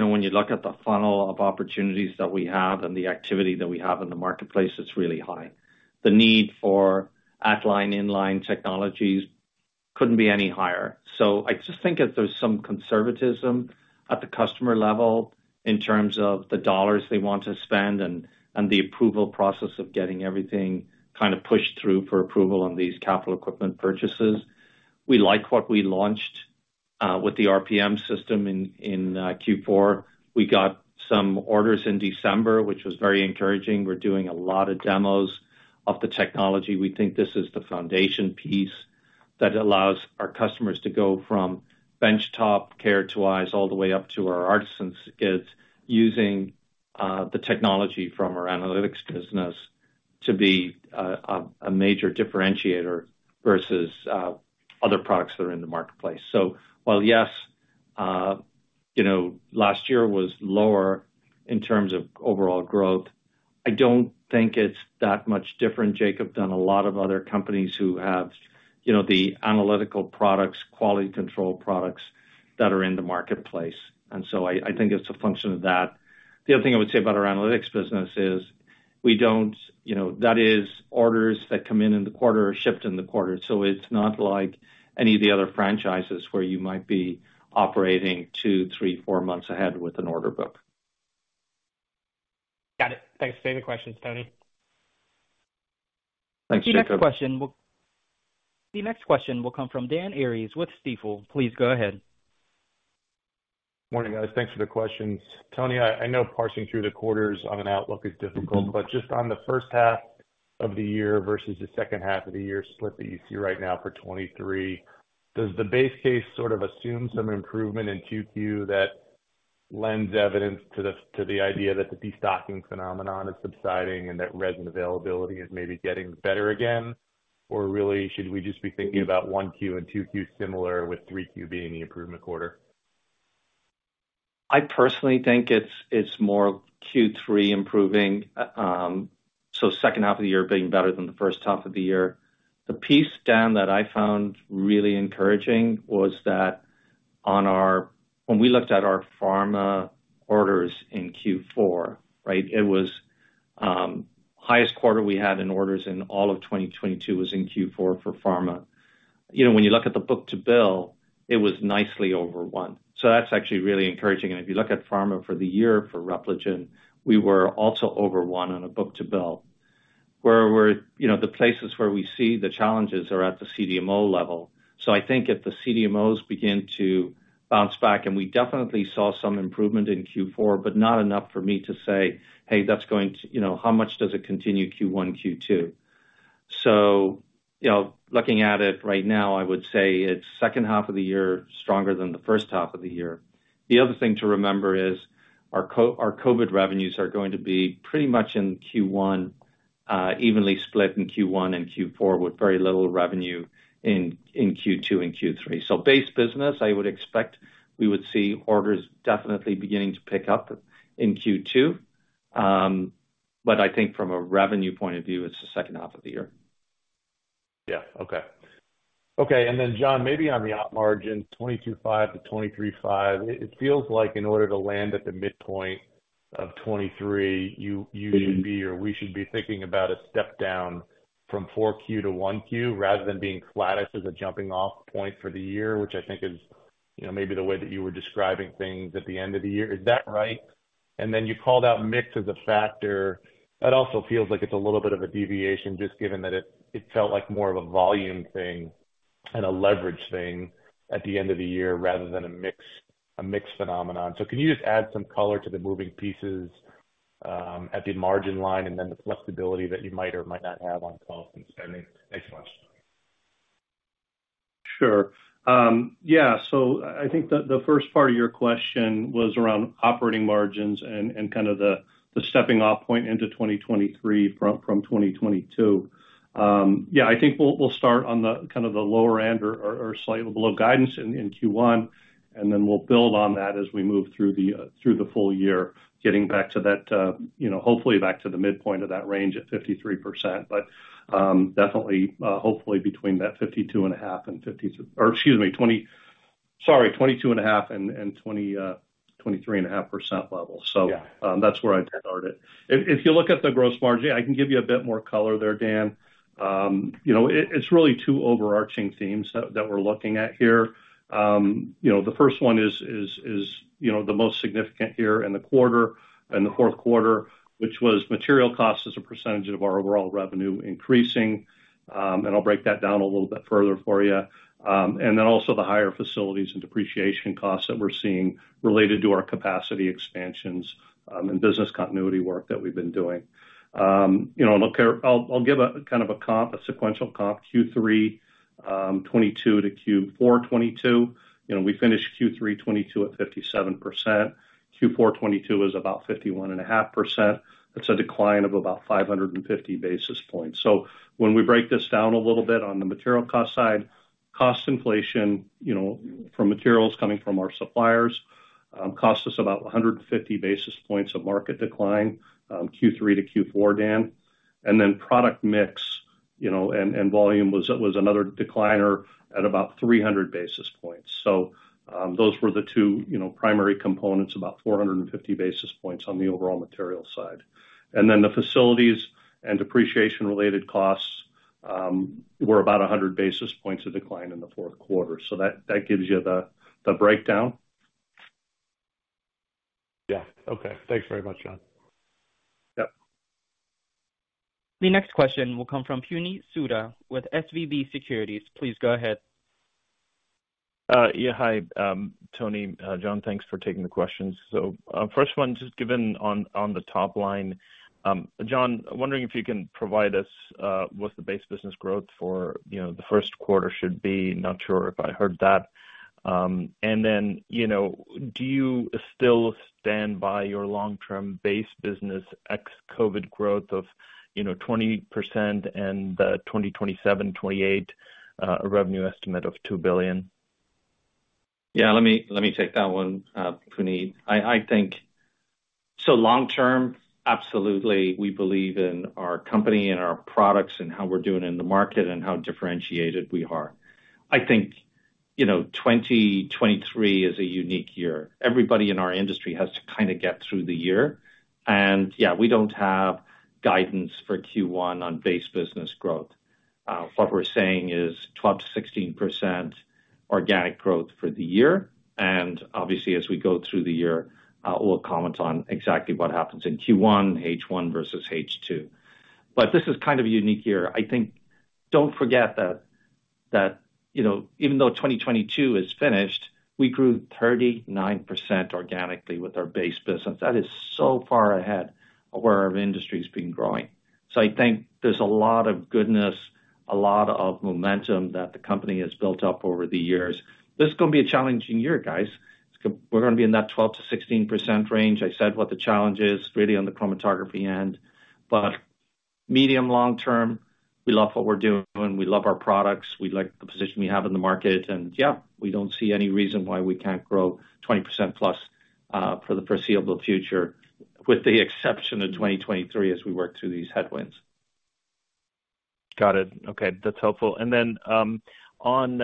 Speaker 3: know, when you look at the funnel of opportunities that we have and the activity that we have in the marketplace, it's really high. The need for at-line, in-line technologies couldn't be any higher. I just think that there's some conservatism at the customer level in terms of the dollars they want to spend and the approval process of getting everything kind of pushed through for approval on these capital equipment purchases. We like what we launched. With the RPM system in Q4. We got some orders in December, which was very encouraging. We're doing a lot of demos of the technology. We think this is the foundation piece that allows our customers to go from benchtop KR2i all the way up to our ARTeSYN kits using the technology from our analytics business to be a major differentiator versus other products that are in the marketplace. While yes, you know, last year was lower in terms of overall growth, I don't think it's that much different, Jacob, than a lot of other companies who have, you know, the analytical products, quality control products that are in the marketplace. I think it's a function of that. The other thing I would say about our analytics business is we don't... You know, that is orders that come in in the quarter are shipped in the quarter. It's not like any of the other franchises where you might be operating two, three, four months ahead with an order book.
Speaker 5: Got it. Thanks. Save the questions, Tony.
Speaker 3: Thanks, Jacob.
Speaker 1: The next question will come from Dan Arias with Stifel. Please go ahead.
Speaker 6: Morning, guys. Thanks for the questions. Tony, I know parsing through the quarters on an outlook is difficult, but just on the first half of the year versus the second half of the year split that you see right now for 2023, does the base case sort of assume some improvement in 2Q that lends evidence to the, to the idea that the destocking phenomenon is subsiding and that resin availability is maybe getting better again? Or really, should we just be thinking about 1Q and 2Q similar with 3Q being the improvement quarter?
Speaker 3: I personally think it's more Q3 improving. Second half of the year being better than the first half of the year. The piece, Dan, that I found really encouraging was that when we looked at our pharma orders in Q4, right? It was highest quarter we had in orders in all of 2022 was in Q4 for pharma. You know, when you look at the book-to-bill, it was nicely over one. That's actually really encouraging. If you look at pharma for the year for Repligen, we were also over one on a book-to-bill. Where we're, you know, the places where we see the challenges are at the CDMO level. I think if the CDMOs begin to bounce back, and we definitely saw some improvement in Q4, but not enough for me to say, "Hey, that's going to... You know, how much does it continue Q1, Q2?" You know, looking at it right now, I would say it's second half of the year stronger than the first half of the year. The other thing to remember is our COVID revenues are going to be pretty much in Q1, evenly split in Q1 and Q4, with very little revenue in Q2 and Q3. Base business, I would expect we would see orders definitely beginning to pick up in Q2. I think from a revenue point of view, it's the second half of the year.
Speaker 6: Yeah. Okay. Okay, then, Jon, maybe on the op margin, 22.5%-23.5%. It feels like in order to land at the midpoint of 23%, you should be or we should be thinking about a step down from 4Q to 1Q, rather than being flattest as a jumping-off point for the year, which I think is, you know, maybe the way that you were describing things at the end of the year. Is that right? Then you called out mix as a factor. That also feels like it's a little bit of a deviation, just given that it felt like more of a volume thing and a leverage thing at the end of the year rather than a mix phenomenon. Can you just add some color to the moving pieces, at the margin line and then the flexibility that you might or might not have on costs and spending? Thanks so much.
Speaker 4: Sure. Yeah. I think the first part of your question was around operating margins and kind of the stepping off point into 2023 from 2022. Yeah, I think we'll start on the kind of the lower end or slightly below guidance in Q1, and then we'll build on that as we move through the full year, getting back to that, you know, hopefully back to the midpoint of that range at 53%. Definitely, hopefully between that 22.5% and 23.5% level.
Speaker 6: Yeah.
Speaker 4: That's where I'd start it. If you look at the gross margin, I can give you a bit more color there, Dan. You know, it's really two overarching themes that we're looking at here. You know, the first one is, you know, the most significant here in the quarter, in the fourth quarter, which was material costs as a percentage of our overall revenue increasing, and I'll break that down a little bit further for you. Then also the higher facilities and depreciation costs that we're seeing related to our capacity expansions, and business continuity work that we've been doing. You know, and look, I'll give a, kind of a comp, a sequential comp, Q3 2022 to Q4 2022. You know, we finished Q3 2022 at 57%. Q4 2022 is about 51.5%. That's a decline of about 550 basis points. When we break this down a little bit on the material cost side, cost inflation, you know, from materials coming from our suppliers, cost us about 150 basis points of market decline, Q3 to Q4, Dan. Product mix, you know, and volume was another decliner at about 300 basis points. Those were the two, you know, primary components, about 450 basis points on the overall material side. The facilities and depreciation related costs were about 100 basis points of decline in the fourth quarter. That gives you the breakdown.
Speaker 6: Yeah. Okay. Thanks very much, Jon.
Speaker 4: Yep.
Speaker 1: The next question will come from Puneet Souda with SVB Securities. Please go ahead.
Speaker 7: Yeah. Hi, Tony, Jon, thanks for taking the questions. First one, just given on the top line, Jon, wondering if you can provide us, what the base business growth for, you know, the first quarter should be? Not sure if I heard that. You know, do you still stand by your long-term base business ex-COVID growth of, you know, 20% and, 2027, 2028, revenue estimate of $2 billion?
Speaker 3: Yeah, let me take that one, Puneet. I think. So long term, absolutely, we believe in our company and our products and how we're doing in the market and how differentiated we are. I think, you know, 2023 is a unique year. Everybody in our industry has to kind of get through the year. Yeah, we don't have guidance for Q1 on base business growth. What we're saying is 12%-16% organic growth for the year. Obviously, as we go through the year, we'll comment on exactly what happens in Q1, H1 versus H2. This is kind of a unique year, I think. Don't forget that, you know, even though 2022 is finished, we grew 39% organically with our base business. That is so far ahead of where our industry's been growing. I think there's a lot of goodness, a lot of momentum that the company has built up over the years. This is gonna be a challenging year, guys. We're gonna be in that 12%-16% range. I said what the challenge is really on the chromatography end, but medium long-term, we love what we're doing. We love our products. We like the position we have in the market. Yeah, we don't see any reason why we can't grow 20%+ for the foreseeable future, with the exception of 2023 as we work through these headwinds.
Speaker 7: Got it. Okay. That's helpful. On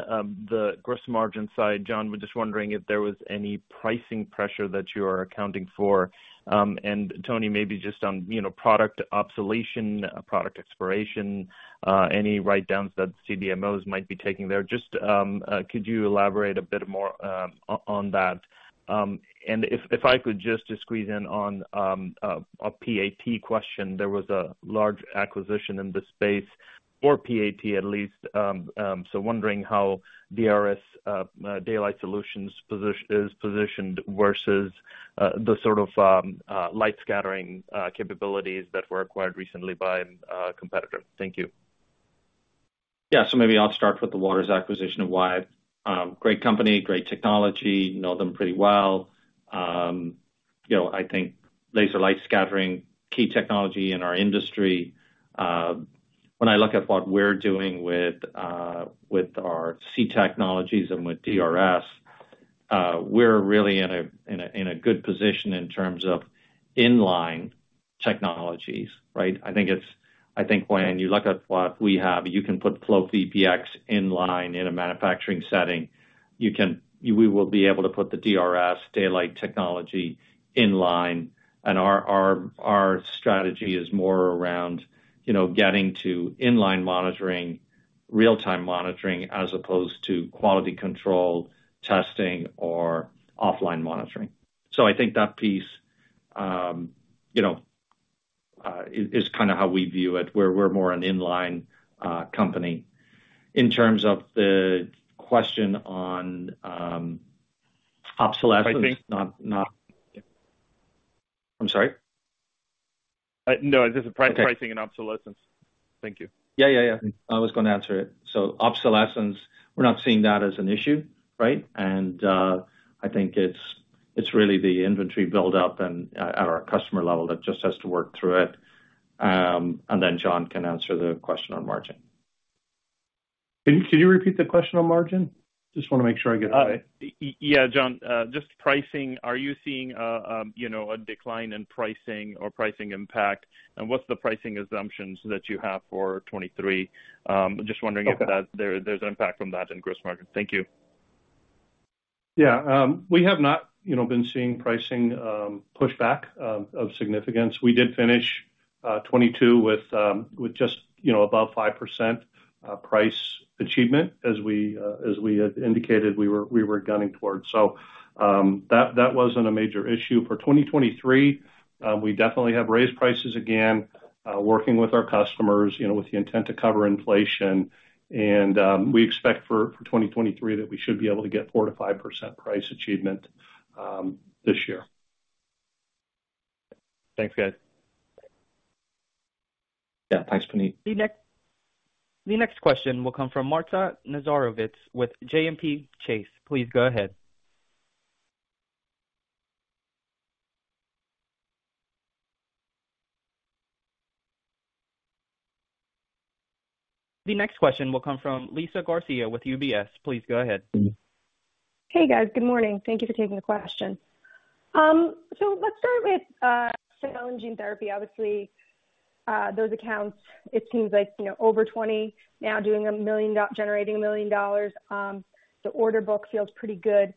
Speaker 7: the gross margin side, Jon, we're just wondering if there was any pricing pressure that you are accounting for. Tony, maybe just on, you know, product obsoletion, product expiration, any write-downs that CDMOs might be taking there. Just, could you elaborate a bit more on that? If I could just squeeze in on a PAT question, there was a large acquisition in this space for PAT at least. Wondering how DRS Daylight Solutions is positioned versus the sort of light scattering capabilities that were acquired recently by a competitor. Thank you.
Speaker 3: Maybe I'll start with the Waters acquisition of Wyatt. Great company, great technology. Know them pretty well. You know, I think laser light scattering, key technology in our industry. When I look at what we're doing with our C Technologies and with DRS, we're really in a good position in terms of in-line technologies, right? I think when you look at what we have, you can put FlowVPX in-line in a manufacturing setting. We will be able to put the DRS Daylight technology in-line. Our strategy is more around, you know, getting to in-line monitoring, real-time monitoring, as opposed to quality control testing or offline monitoring. I think that piece, you know, is kind of how we view it, where we're more an inline company. In terms of the question on obsolescence, not.
Speaker 7: I think-
Speaker 8: I'm sorry?
Speaker 7: No, just the pricing and obsolescence. Thank you.
Speaker 3: Yeah, yeah. I was gonna answer it. Obsolescence, we're not seeing that as an issue, right? I think it's really the inventory build up and at our customer level that just has to work through it. Jon can answer the question on margin.
Speaker 4: Can, could you repeat the question on margin? Just wanna make sure I get it right.
Speaker 7: Yeah, Jon, just pricing? Are you seeing, you know, a decline in pricing or pricing impact? What's the pricing assumptions that you have for 2023? just wondering if that.
Speaker 4: Okay.
Speaker 7: there's impact from that in gross margin? Thank you.
Speaker 4: Yeah. We have not, you know, been seeing pricing pushback of significance. We did finish 2022 with just, you know, above 5% price achievement as we had indicated we were gunning towards. That wasn't a major issue. For 2023, we definitely have raised prices again, working with our customers, you know, with the intent to cover inflation. We expect for 2023 that we should be able to get 4%-5% price achievement this year.
Speaker 7: Thanks, guys.
Speaker 3: Yeah. Thanks, Puneet.
Speaker 1: The next question will come from Marta Nazarovets with JPM Chase. Please go ahead. The next question will come from Liza Garcia with UBS. Please go ahead. Hey, guys. Good morning. Thank you for taking the question. Let's start with cell and gene therapy. Obviously, those accounts, it seems like, you know, over 20 now generating $1 million. The order book feels pretty good.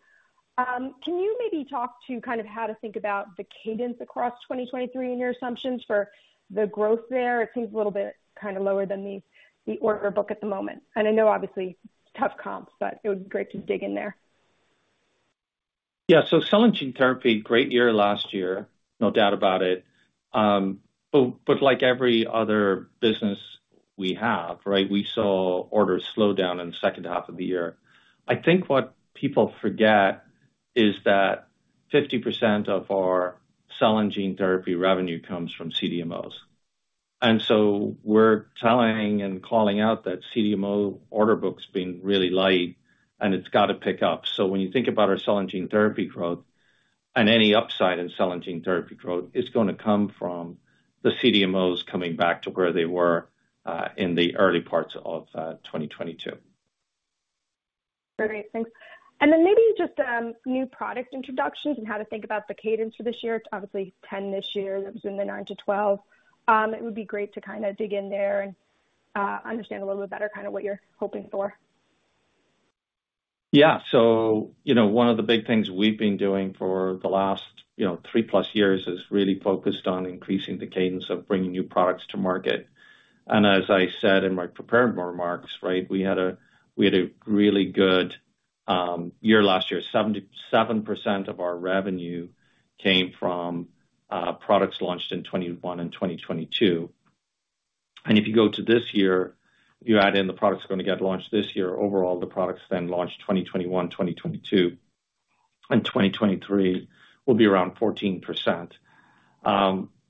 Speaker 1: Can you maybe talk to kind of how to think about the cadence across 2023 in your assumptions for the growth there? It seems a little bit kind of lower than the order book at the moment. I know obviously tough comps, but it would be great to dig in there.
Speaker 3: Yeah. Cell and gene therapy, great year last year, no doubt about it. But like every other business we have, right, we saw orders slow down in the second half of the year. I think what people forget is that 50% of our cell and gene therapy revenue comes from CDMOs. We're telling and calling out that CDMO order book's been really light, and it's gotta pick up. When you think about our cell and gene therapy growth, and any upside in cell and gene therapy growth, it's gonna come from the CDMOs coming back to where they were in the early parts of 2022.
Speaker 9: Great. Thanks. Maybe just new product introductions and how to think about the cadence for this year? It's obviously 10 this year. It was in the nine to 12. It would be great to kinda dig in there and understand a little bit better kinda what you're hoping for.
Speaker 3: You know, one of the big things we've been doing for the last, you know, 3+ years is really focused on increasing the cadence of bringing new products to market. As I said in my prepared remarks, right, we had a really good year last year. 77% of our revenue came from products launched in 2021 and 2022. If you go to this year, you add in the products gonna get launched this year, overall, the products then launched 2021, 2022, and 2023 will be around 14%.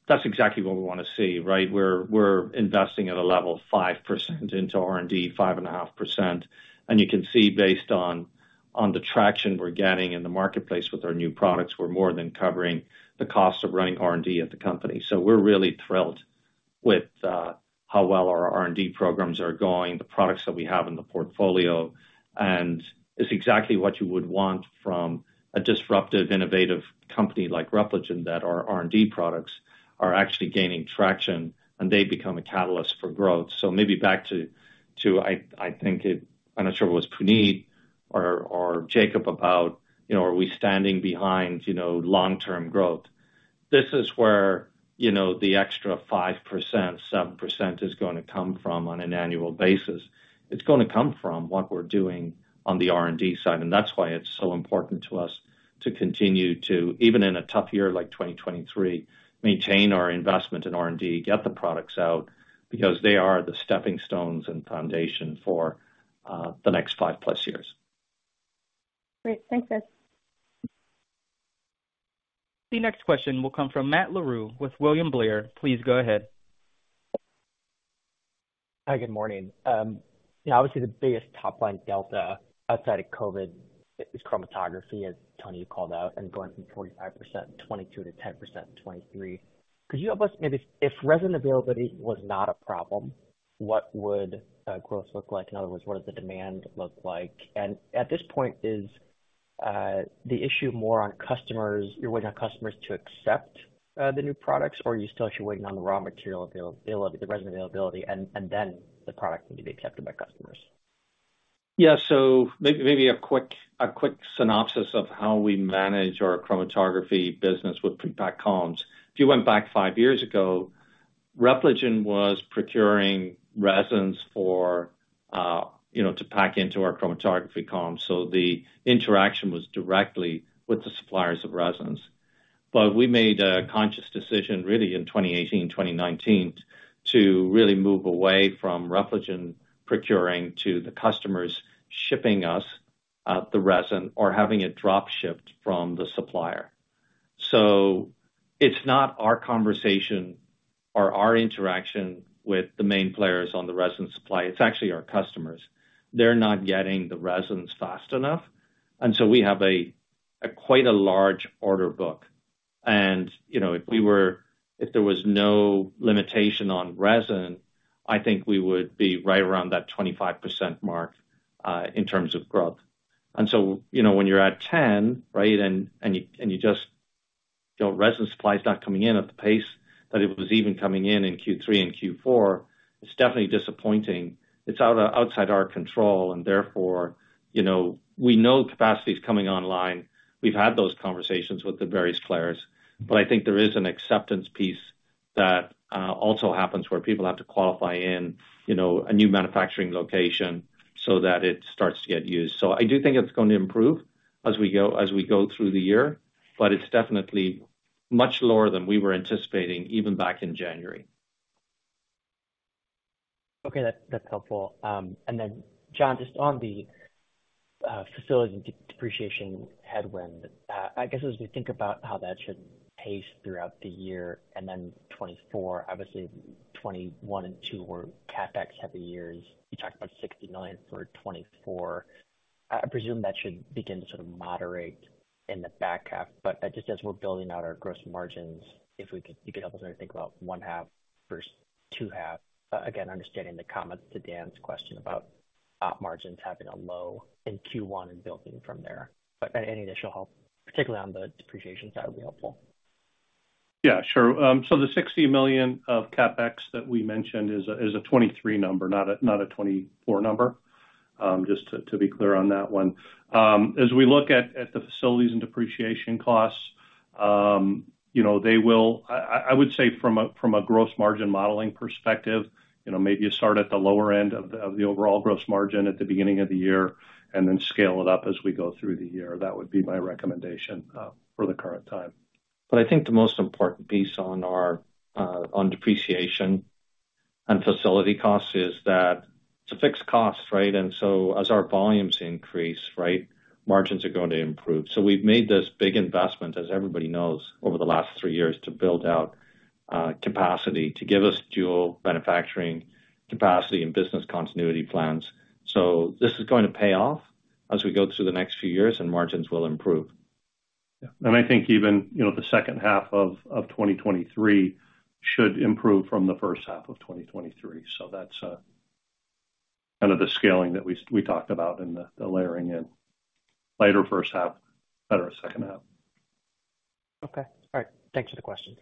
Speaker 3: That's exactly what we wanna see, right? We're investing at a level of 5% into R&D, 5.5%. You can see based on the traction we're getting in the marketplace with our new products, we're more than covering the cost of running R&D at the company. We're really thrilled with how well our R&D programs are going, the products that we have in the portfolio. It's exactly what you would want from a disruptive, innovative company like Repligen, that our R&D products are actually gaining traction, and they become a catalyst for growth. Maybe back to, I'm not sure if it was Puneet or Jacob about, you know, are we standing behind, you know, long-term growth. This is where, you know, the extra 5%, 7% is gonna come from on an annual basis. It's gonna come from what we're doing on the R&D side. That's why it's so important to us to continue to, even in a tough year like 2023, maintain our investment in R&D, get the products out, because they are the stepping stones and foundation for the next 5+ years.
Speaker 9: Great. Thanks, guys.
Speaker 1: The next question will come from Matt Larew with William Blair. Please go ahead.
Speaker 10: Hi. Good morning. Yeah, obviously the biggest top-line delta outside of COVID is chromatography, as Tony, you called out, and going from 45% in 2022 to 10% in 2023. Could you help us maybe if resin availability was not a problem, what would growth look like? In other words, what does the demand look like? At this point, is the issue more on customers to accept the new products, or are you still actually waiting on the raw material availability, the resin availability, and then the product can be accepted by customers?
Speaker 3: Yeah. Maybe a quick synopsis of how we manage our chromatography business with prepacked columns. If you went back five years ago, Repligen was procuring resins for, you know, to pack into our chromatography columns, the interaction was directly with the suppliers of resins. we made a conscious decision really in 2018, 2019 to really move away from Repligen procuring to the customers shipping us the resin or having it drop shipped from the supplier. it's not our conversation or our interaction with the main players on the resin supply, it's actually our customers. They're not getting the resins fast enough, we have a quite a large order book. You know, if there was no limitation on resin, I think we would be right around that 25% mark in terms of growth. You know, when you're at 10, right, and you just... You know, resin supply is not coming in at the pace that it was even coming in in Q3 and Q4, it's definitely disappointing. It's outside our control, you know, we know capacity is coming online. We've had those conversations with the various players. I think there is an acceptance piece that also happens, where people have to qualify in, you know, a new manufacturing location so that it starts to get used. I do think it's going to improve as we go through the year, but it's definitely much lower than we were anticipating even back in January.
Speaker 10: Okay. That's helpful. Then, Jon, just on the facility depreciation headwind, I guess as we think about how that should pace throughout the year and then 2024, obviously 2021 and 2022 were CapEx heavy years. You talked about $60 million for 2024. I presume that should begin to sort of moderate in the back half. Just as we're building out our gross margins, if you could help us maybe think about one half versus two half. Again, understanding the comment to Dan's question about op margins having a low in Q1 and building from there. Any additional help, particularly on the depreciation side, would be helpful.
Speaker 4: Yeah, sure. The $60 million of CapEx that we mentioned is a 2023 number, not a 2024 number, just to be clear on that one. As we look at the facilities and depreciation costs you know, they will... I would say from a gross margin modeling perspective, you know, maybe you start at the lower end of the overall gross margin at the beginning of the year, and then scale it up as we go through the year. That would be my recommendation for the current time.
Speaker 3: I think the most important piece on our, on depreciation and facility costs is that it's a fixed cost, right? As our volumes increase, right, margins are going to improve. We've made this big investment, as everybody knows, over the last three years to build out, capacity to give us dual manufacturing capacity and business continuity plans. This is going to pay off as we go through the next few years and margins will improve.
Speaker 4: Yeah. I think even, you know, the second half of 2023 should improve from the first half of 2023. That's kind of the scaling that we talked about and the layering in. Later first half, better second half.
Speaker 10: Okay. All right. Thanks for the questions.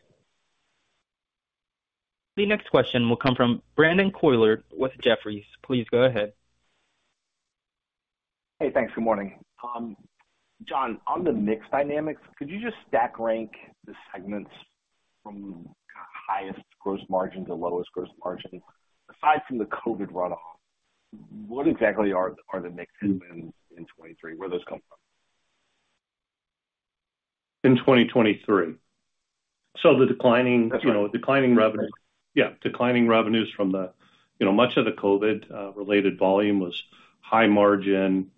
Speaker 1: The next question will come from Brandon Couillard with Jefferies. Please go ahead.
Speaker 11: Hey, thanks. Good morning. Jon, on the mix dynamics, could you just stack rank the segments from highest gross margin to lowest gross margin? Aside from the COVID runoff, what exactly are the mix wins in 2023? Where are those coming from?
Speaker 4: In 2023. So the declining-
Speaker 11: That's right.
Speaker 4: You know, declining revenue. Yeah, declining revenues from the... You know, much of the COVID related volume was high margin,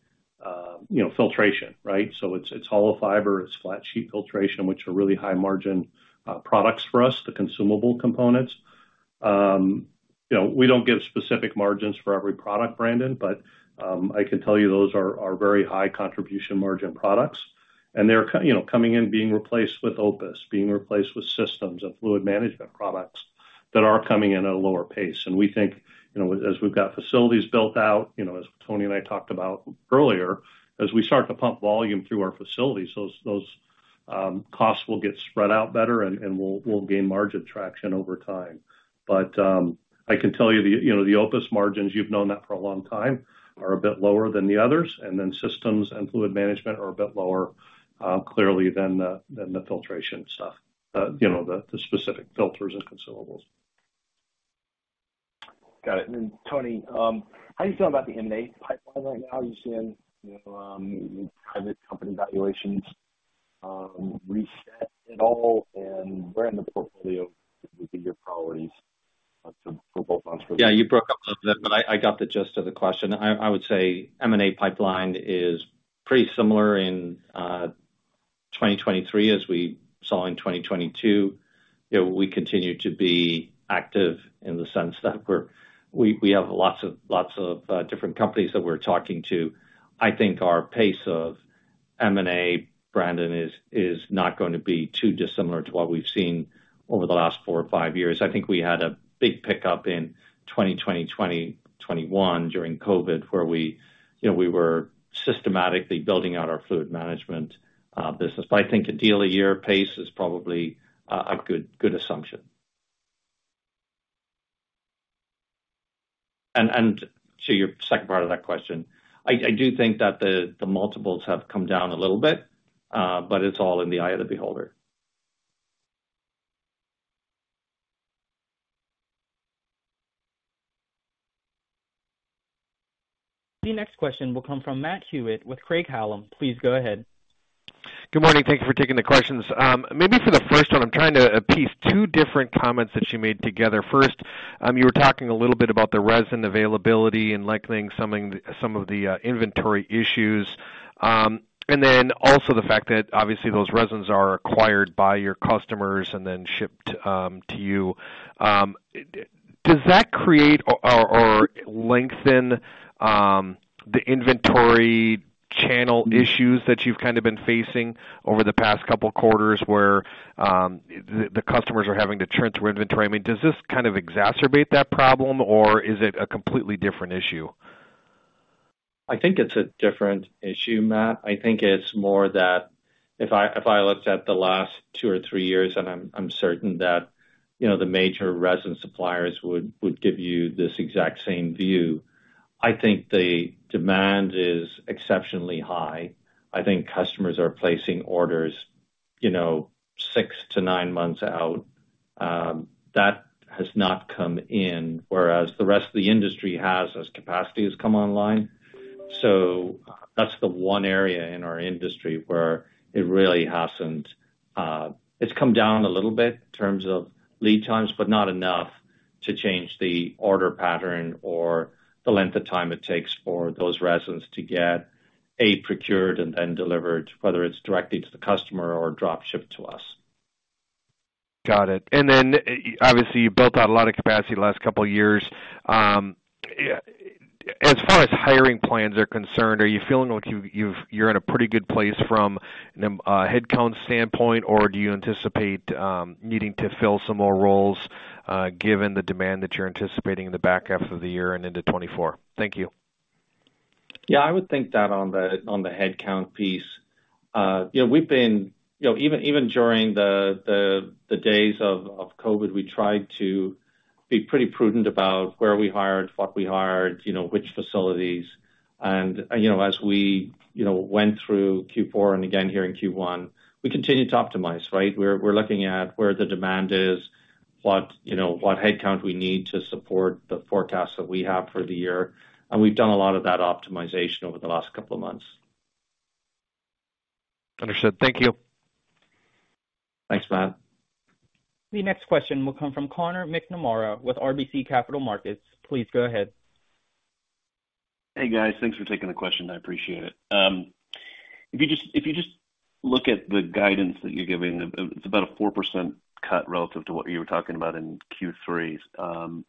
Speaker 4: you know, filtration, right? It's, it's hollow fiber, it's flat sheet filtration, which are really high margin, products for us, the consumable components. You know, we don't give specific margins for every product, Brandon, but, I can tell you those are very high contribution margin products. They're, you know, coming in being replaced with OPUS, being replaced with systems and fluid management products that are coming in at a lower pace. We think, you know, as we've got facilities built out, you know, as Tony and I talked about earlier, as we start to pump volume through our facilities, those costs will get spread out better and we'll gain margin traction over time. I can tell you know, the OPUS margins, you've known that for a long time, are a bit lower than the others, and then systems and fluid management are a bit lower, clearly than the filtration stuff. You know, the specific filters and consumables.
Speaker 11: Got it. Tony, how are you feeling about the M&A pipeline right now? Are you seeing, you know, private company valuations, reset at all? Where in the portfolio would be your priorities for both of us?
Speaker 3: Yeah, you broke up a little bit, but I got the gist of the question. I would say M&A pipeline is pretty similar in 2023 as we saw in 2022. You know, we continue to be active in the sense that we have lots of different companies that we're talking to. I think our pace of M&A, Brandon, is not going to be too dissimilar to what we've seen over the last four or five years. I think we had a big pickup in 2020, 2021 during COVID, where we, you know, we were systematically building out our fluid management business. I think a deal a year pace is probably a good assumption. To your second part of that question, I do think that the multiples have come down a little bit, but it's all in the eye of the beholder.
Speaker 1: The next question will come from Matt Hewitt with Craig-Hallum. Please go ahead.
Speaker 12: Good morning. Thank you for taking the questions. Maybe for the first one, I'm trying to piece two different comments that you made together. First, you were talking a little bit about the resin availability and likening some of the inventory issues. Also the fact that obviously those resins are acquired by your customers and then shipped to you. Does that create or lengthen the inventory channel issues that you've kind of been facing over the past couple quarters, where the customers are having to churn through inventory? I mean, does this kind of exacerbate that problem or is it a completely different issue?
Speaker 3: I think it's a different issue, Matt. I think it's more that if I looked at the last two or three years, and I'm certain that, you know, the major resin suppliers would give you this exact same view, I think the demand is exceptionally high. I think customers are placing orders, you know, six to nine months out, that has not come in, whereas the rest of the industry has as capacity has come online. That's the one area in our industry where it really hasn't. It's come down a little bit in terms of lead times, but not enough to change the order pattern or the length of time it takes for those resins to get, a, procured and then delivered, whether it's directly to the customer or drop shipped to us.
Speaker 12: Got it. Obviously you built out a lot of capacity the last couple of years. As far as hiring plans are concerned, are you feeling like you're in a pretty good place from a headcount standpoint, or do you anticipate needing to fill some more roles, given the demand that you're anticipating in the back half of the year and into 2024? Thank you.
Speaker 3: Yeah, I would think that on the, on the headcount piece. You know, even during the days of COVID, we tried to be pretty prudent about where we hired, what we hired, you know, which facilities. You know, as we went through Q4 and again here in Q1, we continued to optimize, right? We're looking at where the demand is, what, you know, what headcount we need to support the forecast that we have for the year. We've done a lot of that optimization over the last couple of months.
Speaker 12: Understood. Thank you.
Speaker 3: Thanks, Matt.
Speaker 1: The next question will come from Connor McNamara with RBC Capital Markets. Please go ahead.
Speaker 13: Hey, guys. Thanks for taking the question. I appreciate it. If you just look at the guidance that you're giving, it's about a 4% cut relative to what you were talking about in Q3.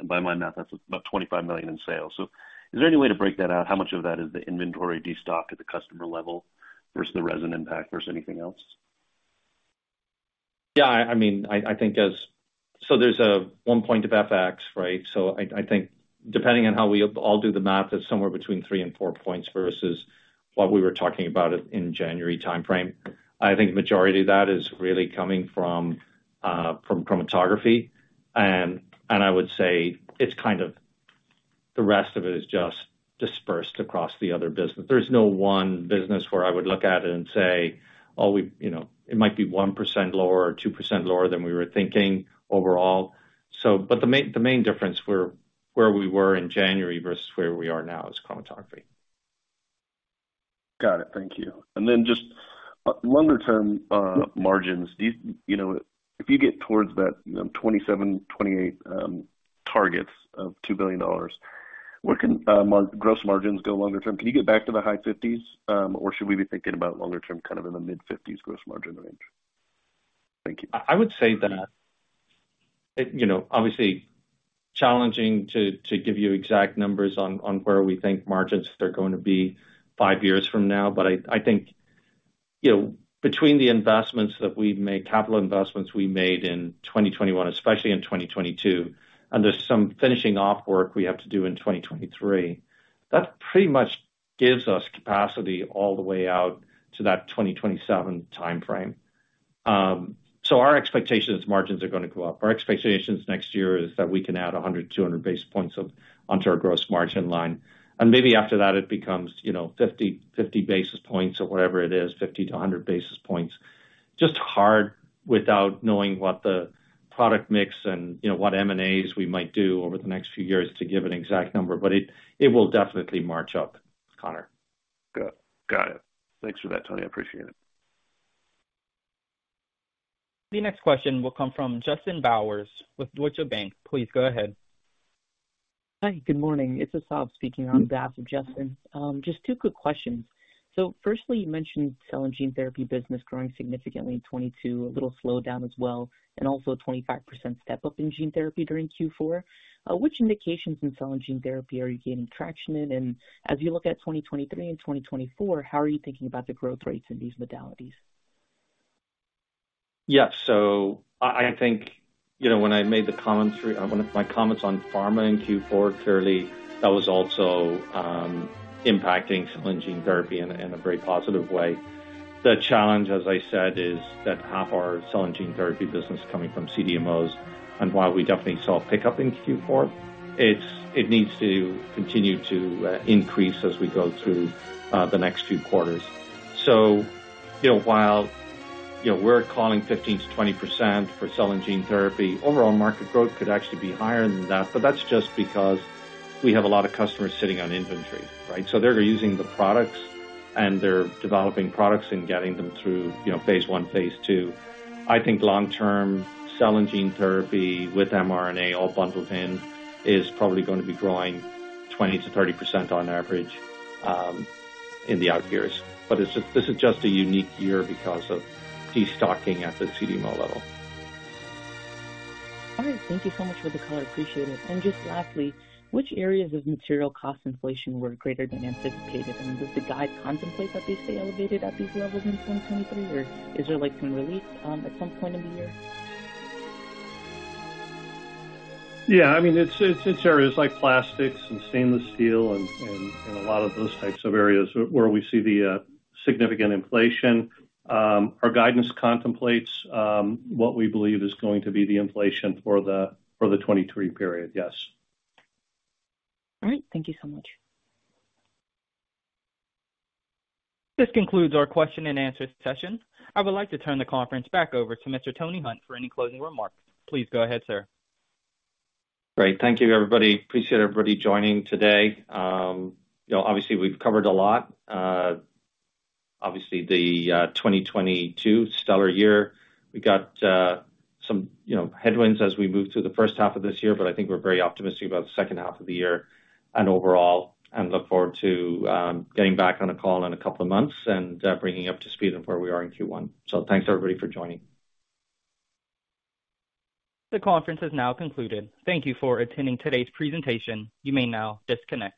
Speaker 13: By my math, that's about $25 million in sales. Is there any way to break that out? How much of that is the inventory destock at the customer level versus the resin impact versus anything else?
Speaker 3: I mean, I think. There's one point of FX, right? I think depending on how we all do the math, it's somewhere between three and four points versus what we were talking about it in January timeframe. I think majority of that is really coming from chromatography. I would say it's kind of the rest of it is just dispersed across the other business. There's no one business where I would look at it and say, "Oh, we," you know, it might be 1% lower or 2% lower than we were thinking overall. But the main difference where we were in January versus where we are now is chromatography.
Speaker 13: Got it. Thank you. Then just longer-term, margins, do you know if you get towards that, 2027, 2028 targets of $2 billion, where can gross margins go longer term? Can you get back to the high 50s%, or should we be thinking about longer term kind of in the mid-50s% gross margin range? Thank you.
Speaker 3: I would say that, you know, obviously challenging to give you exact numbers on where we think margins are going to be five years from now. I think, you know, between the investments that we've made, capital investments we made in 2021, especially in 2022, and there's some finishing off work we have to do in 2023, that pretty much gives us capacity all the way out to that 2027 timeframe. Our expectation is margins are gonna go up. Our expectations next year is that we can add 100, 200 basis points onto our gross margin line. Maybe after that it becomes, you know, 50 basis points or whatever it is, 50-100 basis points. Just hard without knowing what the product mix and, you know, what M&As we might do over the next few years to give an exact number, but it will definitely march up, Connor.
Speaker 13: Good. Got it. Thanks for that, Tony. I appreciate it.
Speaker 1: The next question will come from Justin Bowers with Deutsche Bank. Please go ahead.
Speaker 14: Hi. Good morning. It's Asad speaking on behalf of Justin. Just two quick questions. Firstly, you mentioned cell and gene therapy business growing significantly in 2022, a little slowdown as well, and also a 25% step-up in gene therapy during Q4. Which indications in cell and gene therapy are you gaining traction in? As you look at 2023 and 2024, how are you thinking about the growth rates in these modalities?
Speaker 3: I think, you know, when I made the comments, one of my comments on pharma in Q4, clearly that was also impacting cell and gene therapy in a, in a very positive way. The challenge, as I said, is that half our cell and gene therapy business coming from CDMOs, and while we definitely saw a pickup in Q4, it needs to continue to increase as we go through the next few quarters. While, you know, we're calling 15%-20% for cell and gene therapy, overall market growth could actually be higher than that, but that's just because we have a lot of customers sitting on inventory, right? So they're using the products, and they're developing products and getting them through, you know, phase I, phase II. I think long-term, cell and gene therapy with mRNA all bundled in is probably gonna be growing 20% to 30% on average, in the out years. This is just a unique year because of destocking at the CDMO level.
Speaker 14: All right. Thank you so much for the color. I appreciate it. Just lastly, which areas of material cost inflation were greater than anticipated? Does the guide contemplate that they stay elevated at these levels in 2023, or is there like some relief at some point in the year?
Speaker 3: Yeah, I mean, it's areas like plastics and stainless steel and a lot of those types of areas where we see the significant inflation. Our guidance contemplates what we believe is going to be the inflation for the 2023 period. Yes.
Speaker 14: All right. Thank you so much.
Speaker 1: This concludes our question and answer session. I would like to turn the conference back over to Mr. Tony Hunt for any closing remarks. Please go ahead, sir.
Speaker 3: Great. Thank you, everybody. Appreciate everybody joining today. you know, obviously we've covered a lot. obviously the 2022 stellar year. We got some, you know, headwinds as we move through the first half of this year, but I think we're very optimistic about the second half of the year and overall and look forward to getting back on a call in a couple of months and bringing you up to speed on where we are in Q1. Thanks everybody for joining.
Speaker 1: The conference has now concluded. Thank you for attending today's presentation. You may now disconnect.